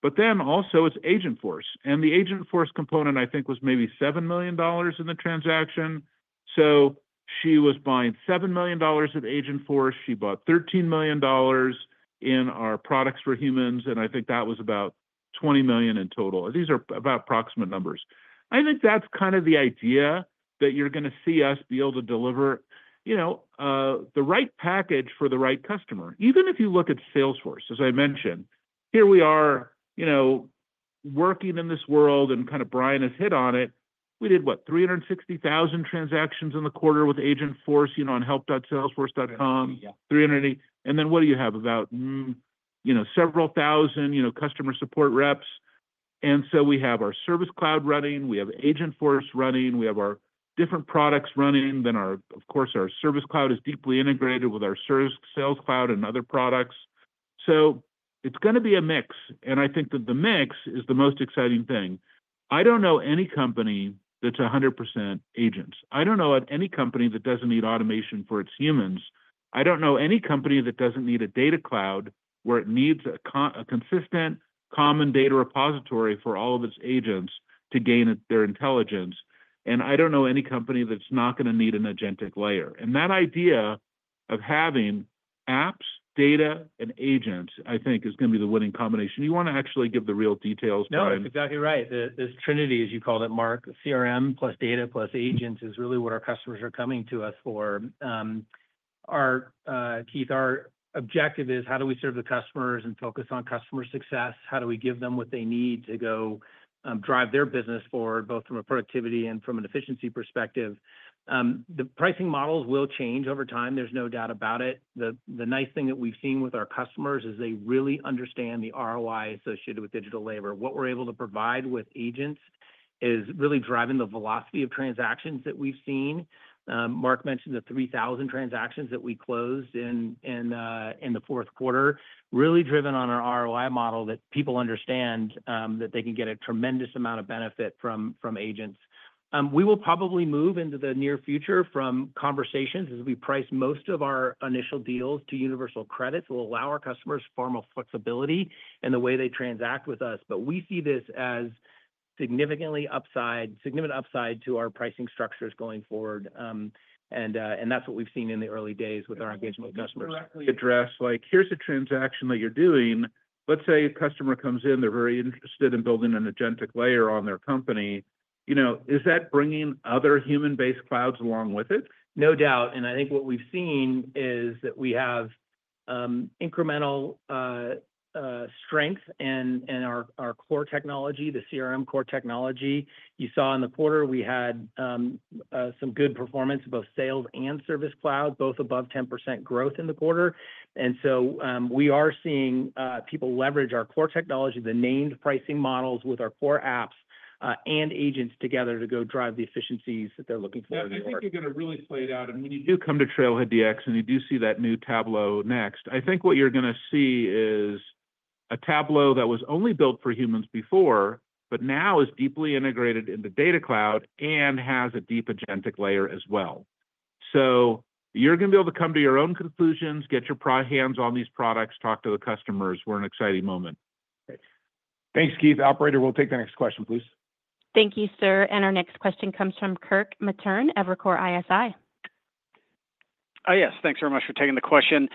But then also, it's Agentforce, and the Agentforce component, I think, was maybe $7 million in the transaction. So she was buying $7 million of Agentforce. She bought $13 million in our products for humans. I think that was about $20 million in total. These are about approximate numbers. I think that's kind of the idea that you're going to see us be able to deliver the right package for the right customer. Even if you look at Salesforce, as I mentioned, here we are working in this world, and kind of Brian has hit on it. We did, what, 360,000 transactions in the quarter with Agentforce on help.salesforce.com. Then what do you have about several thousand customer support reps? So we have our Service Cloud running. We have Agentforce running. We have our different products running. Then, of course, our Service Cloud is deeply integrated with our Service, Sales Cloud and other products. It's going to be a mix. I think that the mix is the most exciting thing. I don't know any company that's 100% agents. I don't know of any company that doesn't need automation for its humans. I don't know any company that doesn't need a Data Cloud where it needs a consistent, common data repository for all of its agents to gain their intelligence. And I don't know any company that's not going to need an agentic layer. And that idea of having apps, data, and agents, I think, is going to be the winning combination. You want to actually give the real details, Brian. No, that's exactly right. This trinity, as you called it, Marc, CRM plus data plus agents is really what our customers are coming to us for. Keith, our objective is how do we serve the customers and focus on customer success? How do we give them what they need to go drive their business forward, both from a productivity and from an efficiency perspective? The pricing models will change over time. There's no doubt about it. The nice thing that we've seen with our customers is they really understand the ROI associated with digital labor. What we're able to provide with agents is really driving the velocity of transactions that we've seen. Marc mentioned the 3,000 transactions that we closed in the fourth quarter, really driven on our ROI model that people understand that they can get a tremendous amount of benefit from agents. We will probably move into the near future from conversations as we price most of our initial deals to Universal Credits will allow our customers far more flexibility in the way they transact with us. But we see this as significant upside to our pricing structures going forward. And that's what we've seen in the early days with our engagement with customers. Exactly. Address like, "Here's a transaction that you're doing." Let's say a customer comes in, they're very interested in building an agentic layer on their company. Is that bringing other human-based clouds along with it? No doubt. And I think what we've seen is that we have incremental strength in our core technology, the CRM core technology. You saw in the quarter, we had some good performance in both Sales Cloud and Service Cloud, both above 10% growth in the quarter. And so we are seeing people leverage our core technology, the named pricing models with our core apps and agents together to go drive the efficiencies that they're looking for. And I think you're going to really play it out. And when you do come to TrailheaDX and you do see that new Tableau Next, I think what you're going to see is a Tableau that was only built for humans before, but now is deeply integrated into Data Cloud and has a deep agentic layer as well. So you're going to be able to come to your own conclusions, get your hands on these products, talk to the customers. We're in an exciting moment. Thanks, Keith. Operator, we'll take the next question, please. Thank you, sir. And our next question comes from Kirk Materne, Evercore ISI. Yes. Thanks very much for taking the question.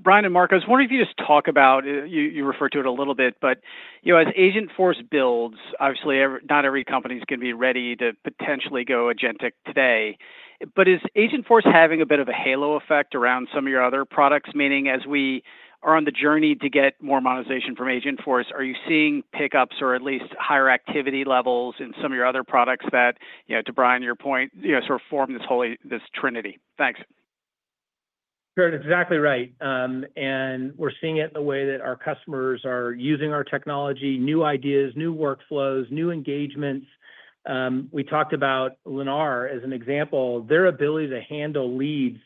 Brian and Marc, I was wondering if you just talk about you referred to it a little bit, but as Agentforce builds, obviously, not every company is going to be ready to potentially go agentic today. But is Agentforce having a bit of a halo effect around some of your other products? Meaning, as we are on the journey to get more monetization from Agentforce, are you seeing pickups or at least higher activity levels in some of your other products that, to Brian and your point, sort of form this trinity? Thanks. You heard it exactly right. And we're seeing it the way that our customers are using our technology, new ideas, new workflows, new engagements. We talked about Lennar as an example. Their ability to handle leads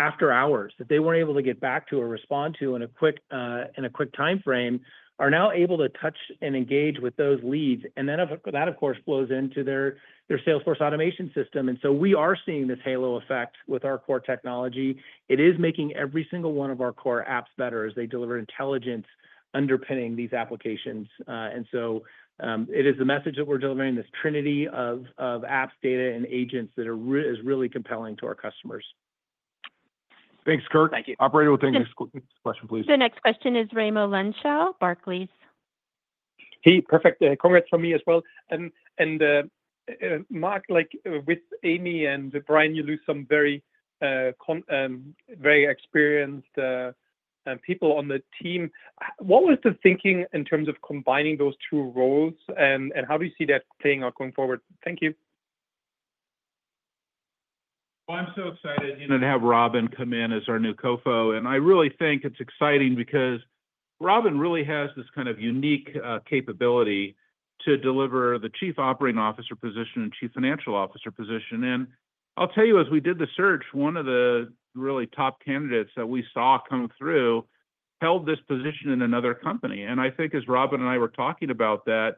after hours that they weren't able to get back to or respond to in a quick timeframe are now able to touch and engage with those leads. And then that, of course, flows into their Salesforce automation system. And so we are seeing this halo effect with our core technology. It is making every single one of our core apps better as they deliver intelligence underpinning these applications. And so it is the message that we're delivering, this trinity of apps, data, and agents that is really compelling to our customers. Thanks, Kirk. Thank you. Operator, we'll take the next question, please. The next question is Raimo Lenschow, Barclays. Hey, perfect. Congrats from me as well. And Marc, with Amy and Brian, you lose some very experienced people on the team. What was the thinking in terms of combining those two roles, and how do you see that playing out going forward? Thank you. Well, I'm so excited to have Robin come in as our new COO and CFO. And I really think it's exciting because Robin really has this kind of unique capability to deliver the chief operating officer position and chief financial officer position. And I'll tell you, as we did the search, one of the really top candidates that we saw come through held this position in another company. And I think as Robin and I were talking about that,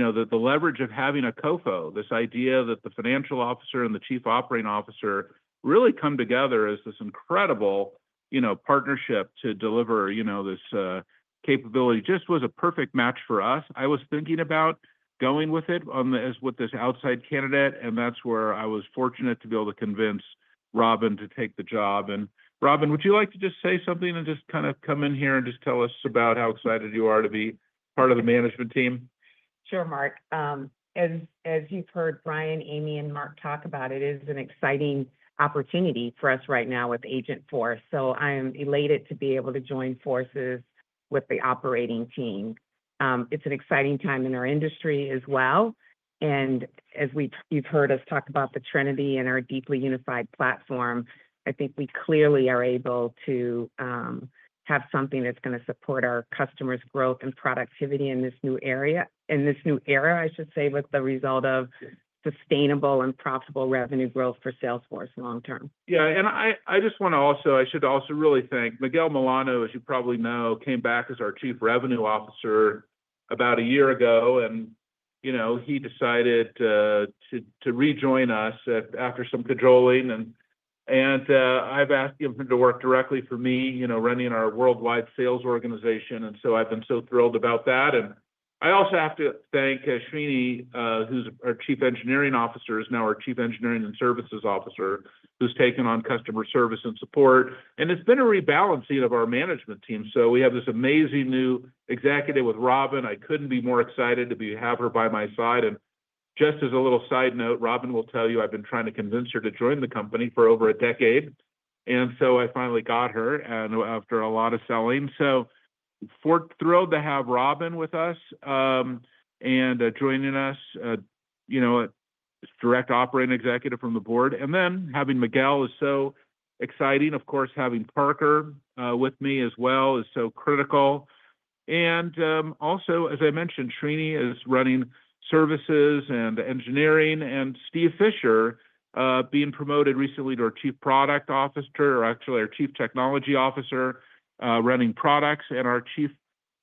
the leverage of having a CFO, this idea that the financial officer and the chief operating officer really come together as this incredible partnership to deliver this capability just was a perfect match for us. I was thinking about going with it with this outside candidate, and that's where I was fortunate to be able to convince Robin to take the job. And Robin, would you like to just say something and just kind of come in here and just tell us about how excited you are to be part of the management team? Sure, Marc. As you've heard Brian, Amy, and Marc talk about it, it is an exciting opportunity for us right now with Agentforce. I am elated to be able to join forces with the operating team. It's an exciting time in our industry as well. As you've heard us talk about the trinity and our deeply unified platform, I think we clearly are able to have something that's going to support our customers' growth and productivity in this new area, I should say, with the result of sustainable and profitable revenue growth for Salesforce long-term. Yeah. I just want to also, I should also really thank Miguel Milano, as you probably know, came back as our Chief Revenue Officer about a year ago. He decided to rejoin us after some cajolling. I've asked him to work directly for me, running our worldwide sales organization. And so I've been so thrilled about that. I also have to thank Srini, who's our Chief Engineering Officer, is now our Chief Engineering and Services Officer, who's taken on customer service and support. It's been a rebalancing of our management team. We have this amazing new executive with Robin. I couldn't be more excited to have her by my side. Just as a little side note, Robin will tell you I've been trying to convince her to join the company for over a decade. I finally got her after a lot of selling. Thrilled to have Robin with us and joining us, a direct operating executive from the board. Then having Miguel is so exciting. Of course, having Parker with me as well is so critical. Also, as I mentioned, Srini is running services and engineering. Steve Fisher, being promoted recently to our Chief Product Officer, or actually our Chief Technology Officer, running products. Our Chief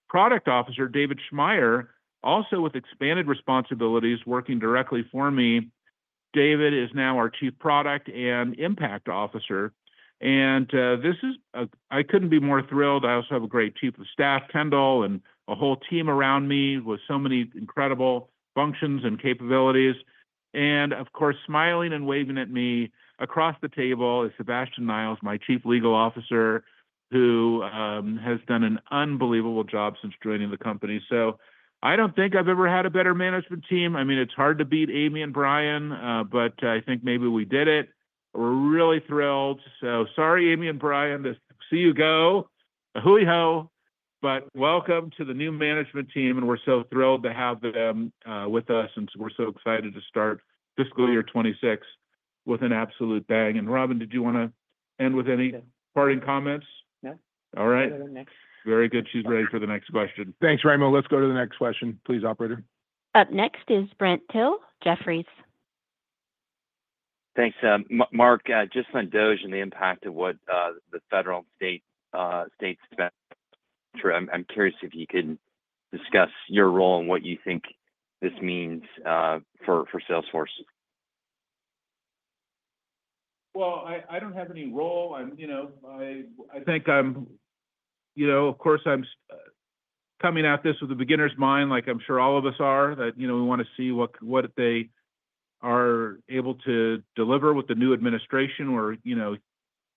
Product Officer, David Schmaier, also with expanded responsibilities, working directly for me. David is now our Chief Product and Impact Officer. I couldn't be more thrilled. I also have a great Chief of Staff, Kendall, and a whole team around me with so many incredible functions and capabilities. Of course, smiling and waving at me across the table is Sebastian Niles, my Chief Legal Officer, who has done an unbelievable job since joining the company. I don't think I've ever had a better management team. I mean, it's hard to beat Amy and Brian, but I think maybe we did it. We're really thrilled. Sorry, Amy and Brian, to see you go. Hootie-ho. Welcome to the new management team. And we're so thrilled to have them with us. And we're so excited to start fiscal year '26 with an absolute bang. And Robin, did you want to end with any parting comments? No. All right. Go to the next. Very good. She's ready for the next question. Thanks, Raimo. Let's go to the next question, please, Operator. Up next is Brent Thill, Jefferies. Thanks. Marc, just on DOGE and the impact of what the federal and state spend. I'm curious if you can discuss your role and what you think this means for Salesforce. Well, I don't have any role. I think, of course, I'm coming at this with a beginner's mind, like I'm sure all of us are, that we want to see what they are able to deliver with the new administration. We're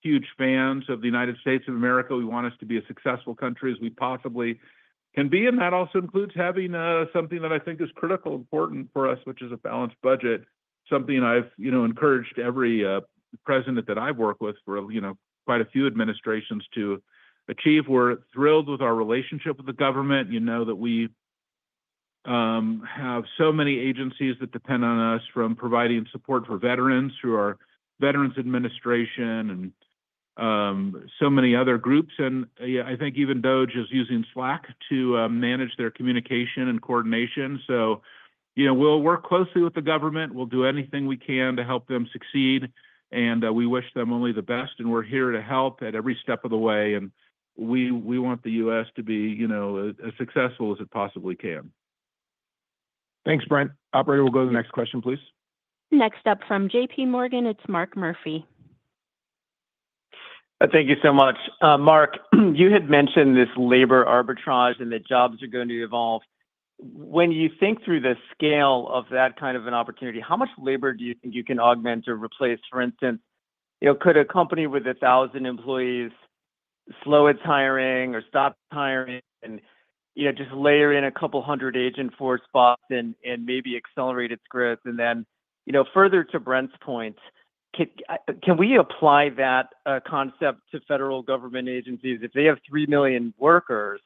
huge fans of the United States of America. We want us to be a successful country as we possibly can be, and that also includes having something that I think is critical, important for us, which is a balanced budget, something I've encouraged every president that I've worked with for quite a few administrations to achieve. We're thrilled with our relationship with the government. You know that we have so many agencies that depend on us for providing support for veterans through our Veterans Administration and so many other groups, and I think even DOGE is using Slack to manage their communication and coordination, so we'll work closely with the government. We'll do anything we can to help them succeed, and we wish them only the best, and we're here to help at every step of the way, and we want the U.S. to be as successful as it possibly can. Thanks, Brent. Operator, we'll go to the next question, please. Next up from JP Morgan, it's Mark Murphy. Thank you so much. Marc, you had mentioned this labor arbitrage and that jobs are going to evolve. When you think through the scale of that kind of an opportunity, how much labor do you think you can augment or replace? For instance, could a company with 1,000 employees slow its hiring or stop hiring and just layer in a couple hundred Agentforce bots and maybe accelerate its growth? And then further to Brent's point, can we apply that concept to federal government agencies? If they have 3 million workers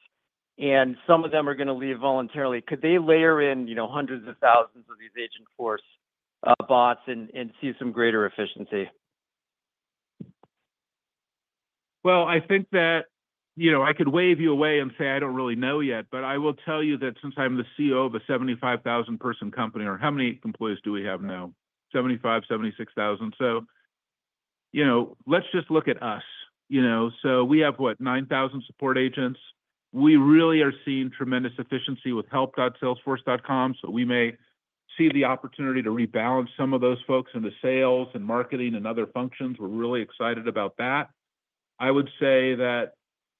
and some of them are going to leave voluntarily, could they layer in hundreds of thousands of these Agentforce bots and see some greater efficiency? Well, I think that I could wave you away and say I don't really know yet. But I will tell you that since I'm the CEO of a 75,000-person company, or how many employees do we have now? 75, 76,000. So let's just look at us. So we have, what, 9,000 support agents. We really are seeing tremendous efficiency with help.salesforce.com. So we may see the opportunity to rebalance some of those folks into sales and marketing and other functions. We're really excited about that. I would say that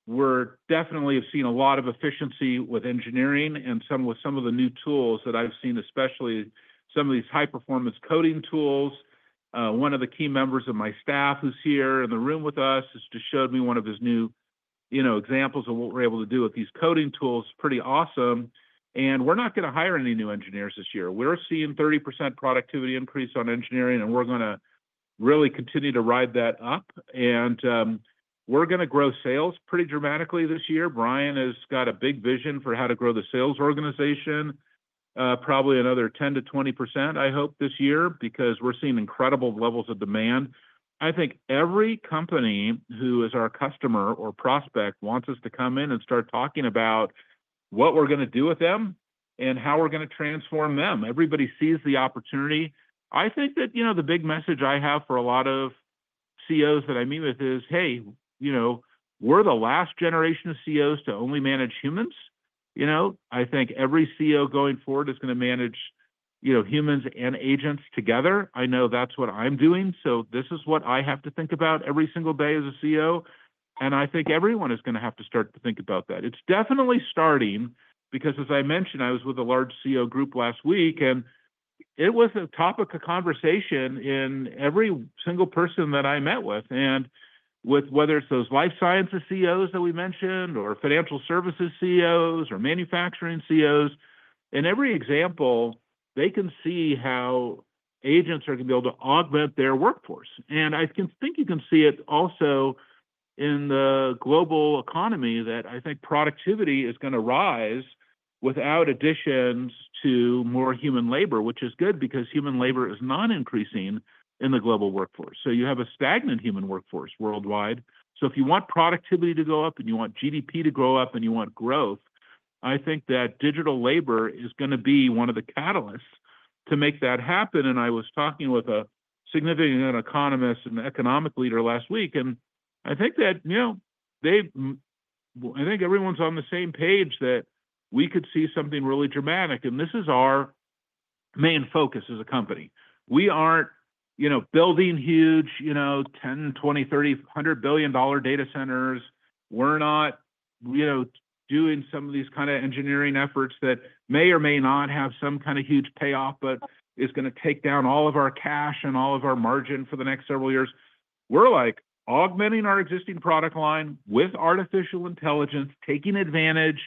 we definitely have seen a lot of efficiency with engineering and some of the new tools that I've seen, especially some of these high-performance coding tools. One of the key members of my staff who's here in the room with us just showed me one of his new examples of what we're able to do with these coding tools. Pretty awesome. And we're not going to hire any new engineers this year. We're seeing a 30% productivity increase on engineering, and we're going to really continue to ride that up. And we're going to grow sales pretty dramatically this year. Brian has got a big vision for how to grow the sales organization, probably another 10%-20%, I hope, this year, because we're seeing incredible levels of demand. I think every company who is our customer or prospect wants us to come in and start talking about what we're going to do with them and how we're going to transform them. Everybody sees the opportunity. I think that the big message I have for a lot of CEOs that I meet with is, "Hey, we're the last generation of CEOs to only manage humans." I think every CEO going forward is going to manage humans and agents together. I know that's what I'm doing. This is what I have to think about every single day as a CEO. I think everyone is going to have to start to think about that. It's definitely starting because, as I mentioned, I was with a large CEO group last week, and it was a topic of conversation in every single person that I met with. Whether it's those life sciences CEOs that we mentioned or financial services CEOs or manufacturing CEOs, in every example, they can see how agents are going to be able to augment their workforce. I think you can see it also in the global economy that I think productivity is going to rise without additions to more human labor, which is good because human labor is not increasing in the global workforce. You have a stagnant human workforce worldwide. So if you want productivity to go up and you want GDP to grow up and you want growth, I think that digital labor is going to be one of the catalysts to make that happen. And I was talking with a significant economist and economic leader last week. And I think everyone's on the same page that we could see something really dramatic. And this is our main focus as a company. We aren't building huge $10 billion, $20 billion, $30 billion, $100 billion data centers. We're not doing some of these kind of engineering efforts that may or may not have some kind of huge payoff, but it's going to take down all of our cash and all of our margin for the next several years. We're augmenting our existing product line with artificial intelligence, taking advantage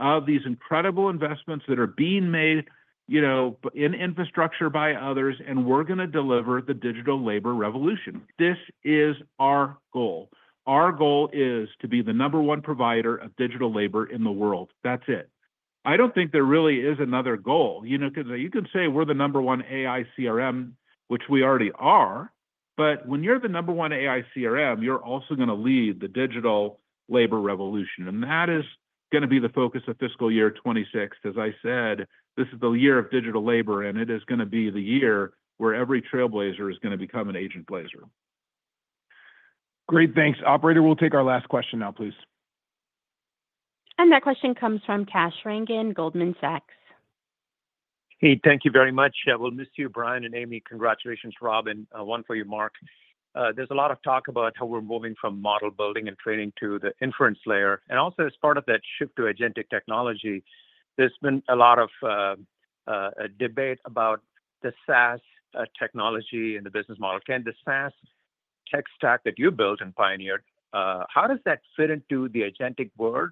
of these incredible investments that are being made in infrastructure by others. And we're going to deliver the digital labor revolution. This is our goal. Our goal is to be the number one provider of digital labor in the world. That's it. I don't think there really is another goal. You can say we're the number one AI CRM, which we already are. But when you're the number one AI CRM, you're also going to lead the digital labor revolution. And that is going to be the focus of fiscal year 2026. As I said, this is the year of digital labor, and it is going to be the year where every Trailblazer is going to become an Agentblazer. Great. Thanks. Operator, we'll take our last question now, please. And that question comes from Kash Rangan, Goldman Sachs. Hey, thank you very much. We'll miss you, Brian and Amy. Congratulations, Robin. One for you, Marc. There's a lot of talk about how we're moving from model building and training to the inference layer. Also, as part of that shift to agentic technology, there's been a lot of debate about the SaaS technology and the business model. Can the SaaS tech stack that you built and pioneered, how does that fit into the agentic world?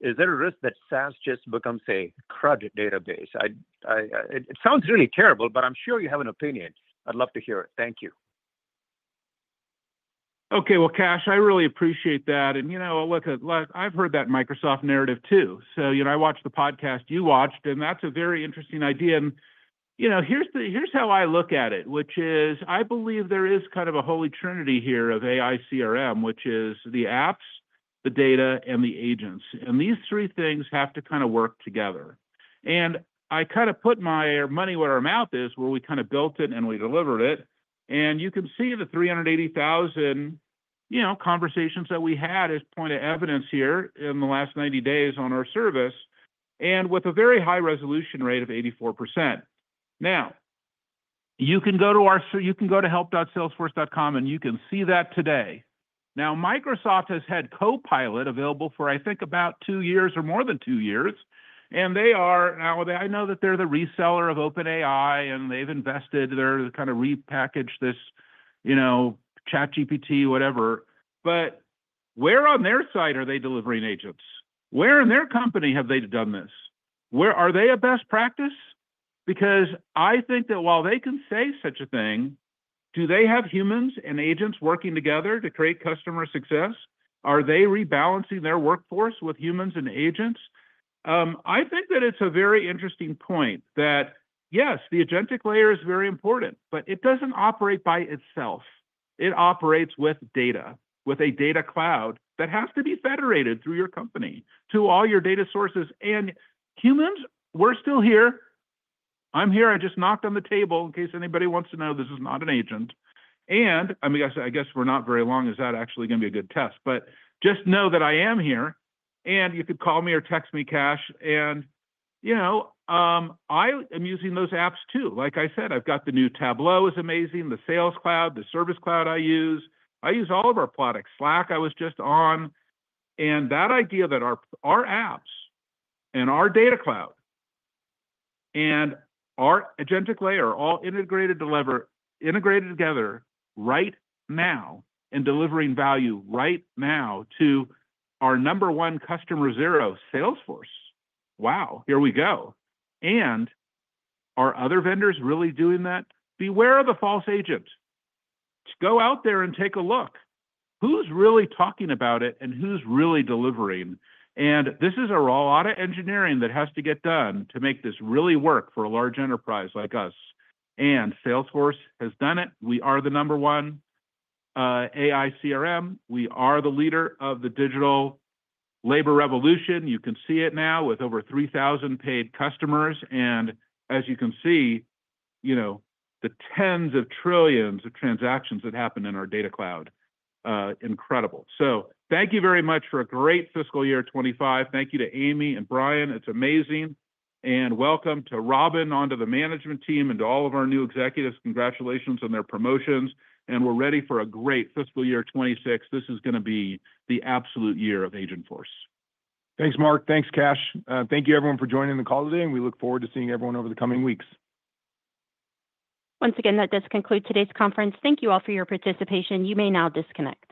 Is there a risk that SaaS just becomes a CRUD database? It sounds really terrible, but I'm sure you have an opinion. I'd love to hear it. Thank you. Okay, well, Kash, I really appreciate that. Look, I've heard that Microsoft narrative too. I watched the podcast you watched, and that's a very interesting idea. And here's how I look at it, which is I believe there is kind of a holy trinity here of AI CRM, which is the apps, the data, and the agents. And these three things have to kind of work together. And I kind of put my money where our mouth is where we kind of built it and we delivered it. And you can see the 380,000 conversations that we had as point of evidence here in the last 90 days on our service and with a very high resolution rate of 84%. Now, you can go to our help.salesforce.com, and you can see that today. Now, Microsoft has had Copilot available for, I think, about two years or more than two years. And they are now. I know that they're the reseller of OpenAI, and they've invested. They're kind of repackaged this ChatGPT, whatever. But where on their side are they delivering agents? Where in their company have they done this? Are they a best practice? Because I think that while they can say such a thing, do they have humans and agents working together to create customer success? Are they rebalancing their workforce with humans and agents? I think that it's a very interesting point that, yes, the agentic layer is very important, but it doesn't operate by itself. It operates with data, with a data cloud that has to be federated through your company to all your data sources. And humans, we're still here. I'm here. I just knocked on the table in case anybody wants to know, this is not an agent. And I guess we're not very long. Is that actually going to be a good test? But just know that I am here. And you could call me or text me, Kash. And I am using those apps too. Like I said, I've got the new Tableau is amazing, the Sales Cloud, the Service Cloud I use. I use all of our products. Slack, I was just on. And that idea that our apps and our Data Cloud and our agentic layer are all integrated together right now and delivering value right now to our number one Customer Zero, Salesforce. Wow, here we go. And are other vendors really doing that? Beware of the false agent. Go out there and take a look. Who's really talking about it and who's really delivering? And this is a raw lot of engineering that has to get done to make this really work for a large enterprise like us. And Salesforce has done it. We are the number one AI CRM. We are the leader of the digital labor revolution. You can see it now with over 3,000 paid customers. And as you can see, the tens of trillions of transactions that happen in our Data Cloud. Incredible. So thank you very much for a great fiscal year 2025. Thank you to Amy and Brian. It's amazing. And welcome to Robin onto the management team and to all of our new executives. Congratulations on their promotions. And we're ready for a great fiscal year 2026. This is going to be the absolute year of Agentforce. Thanks, Marc. Thanks, Kash. Thank you, everyone, for joining the call today. And we look forward to seeing everyone over the coming weeks. Once again, that does conclude today's conference. Thank you all for your participation. You may now disconnect.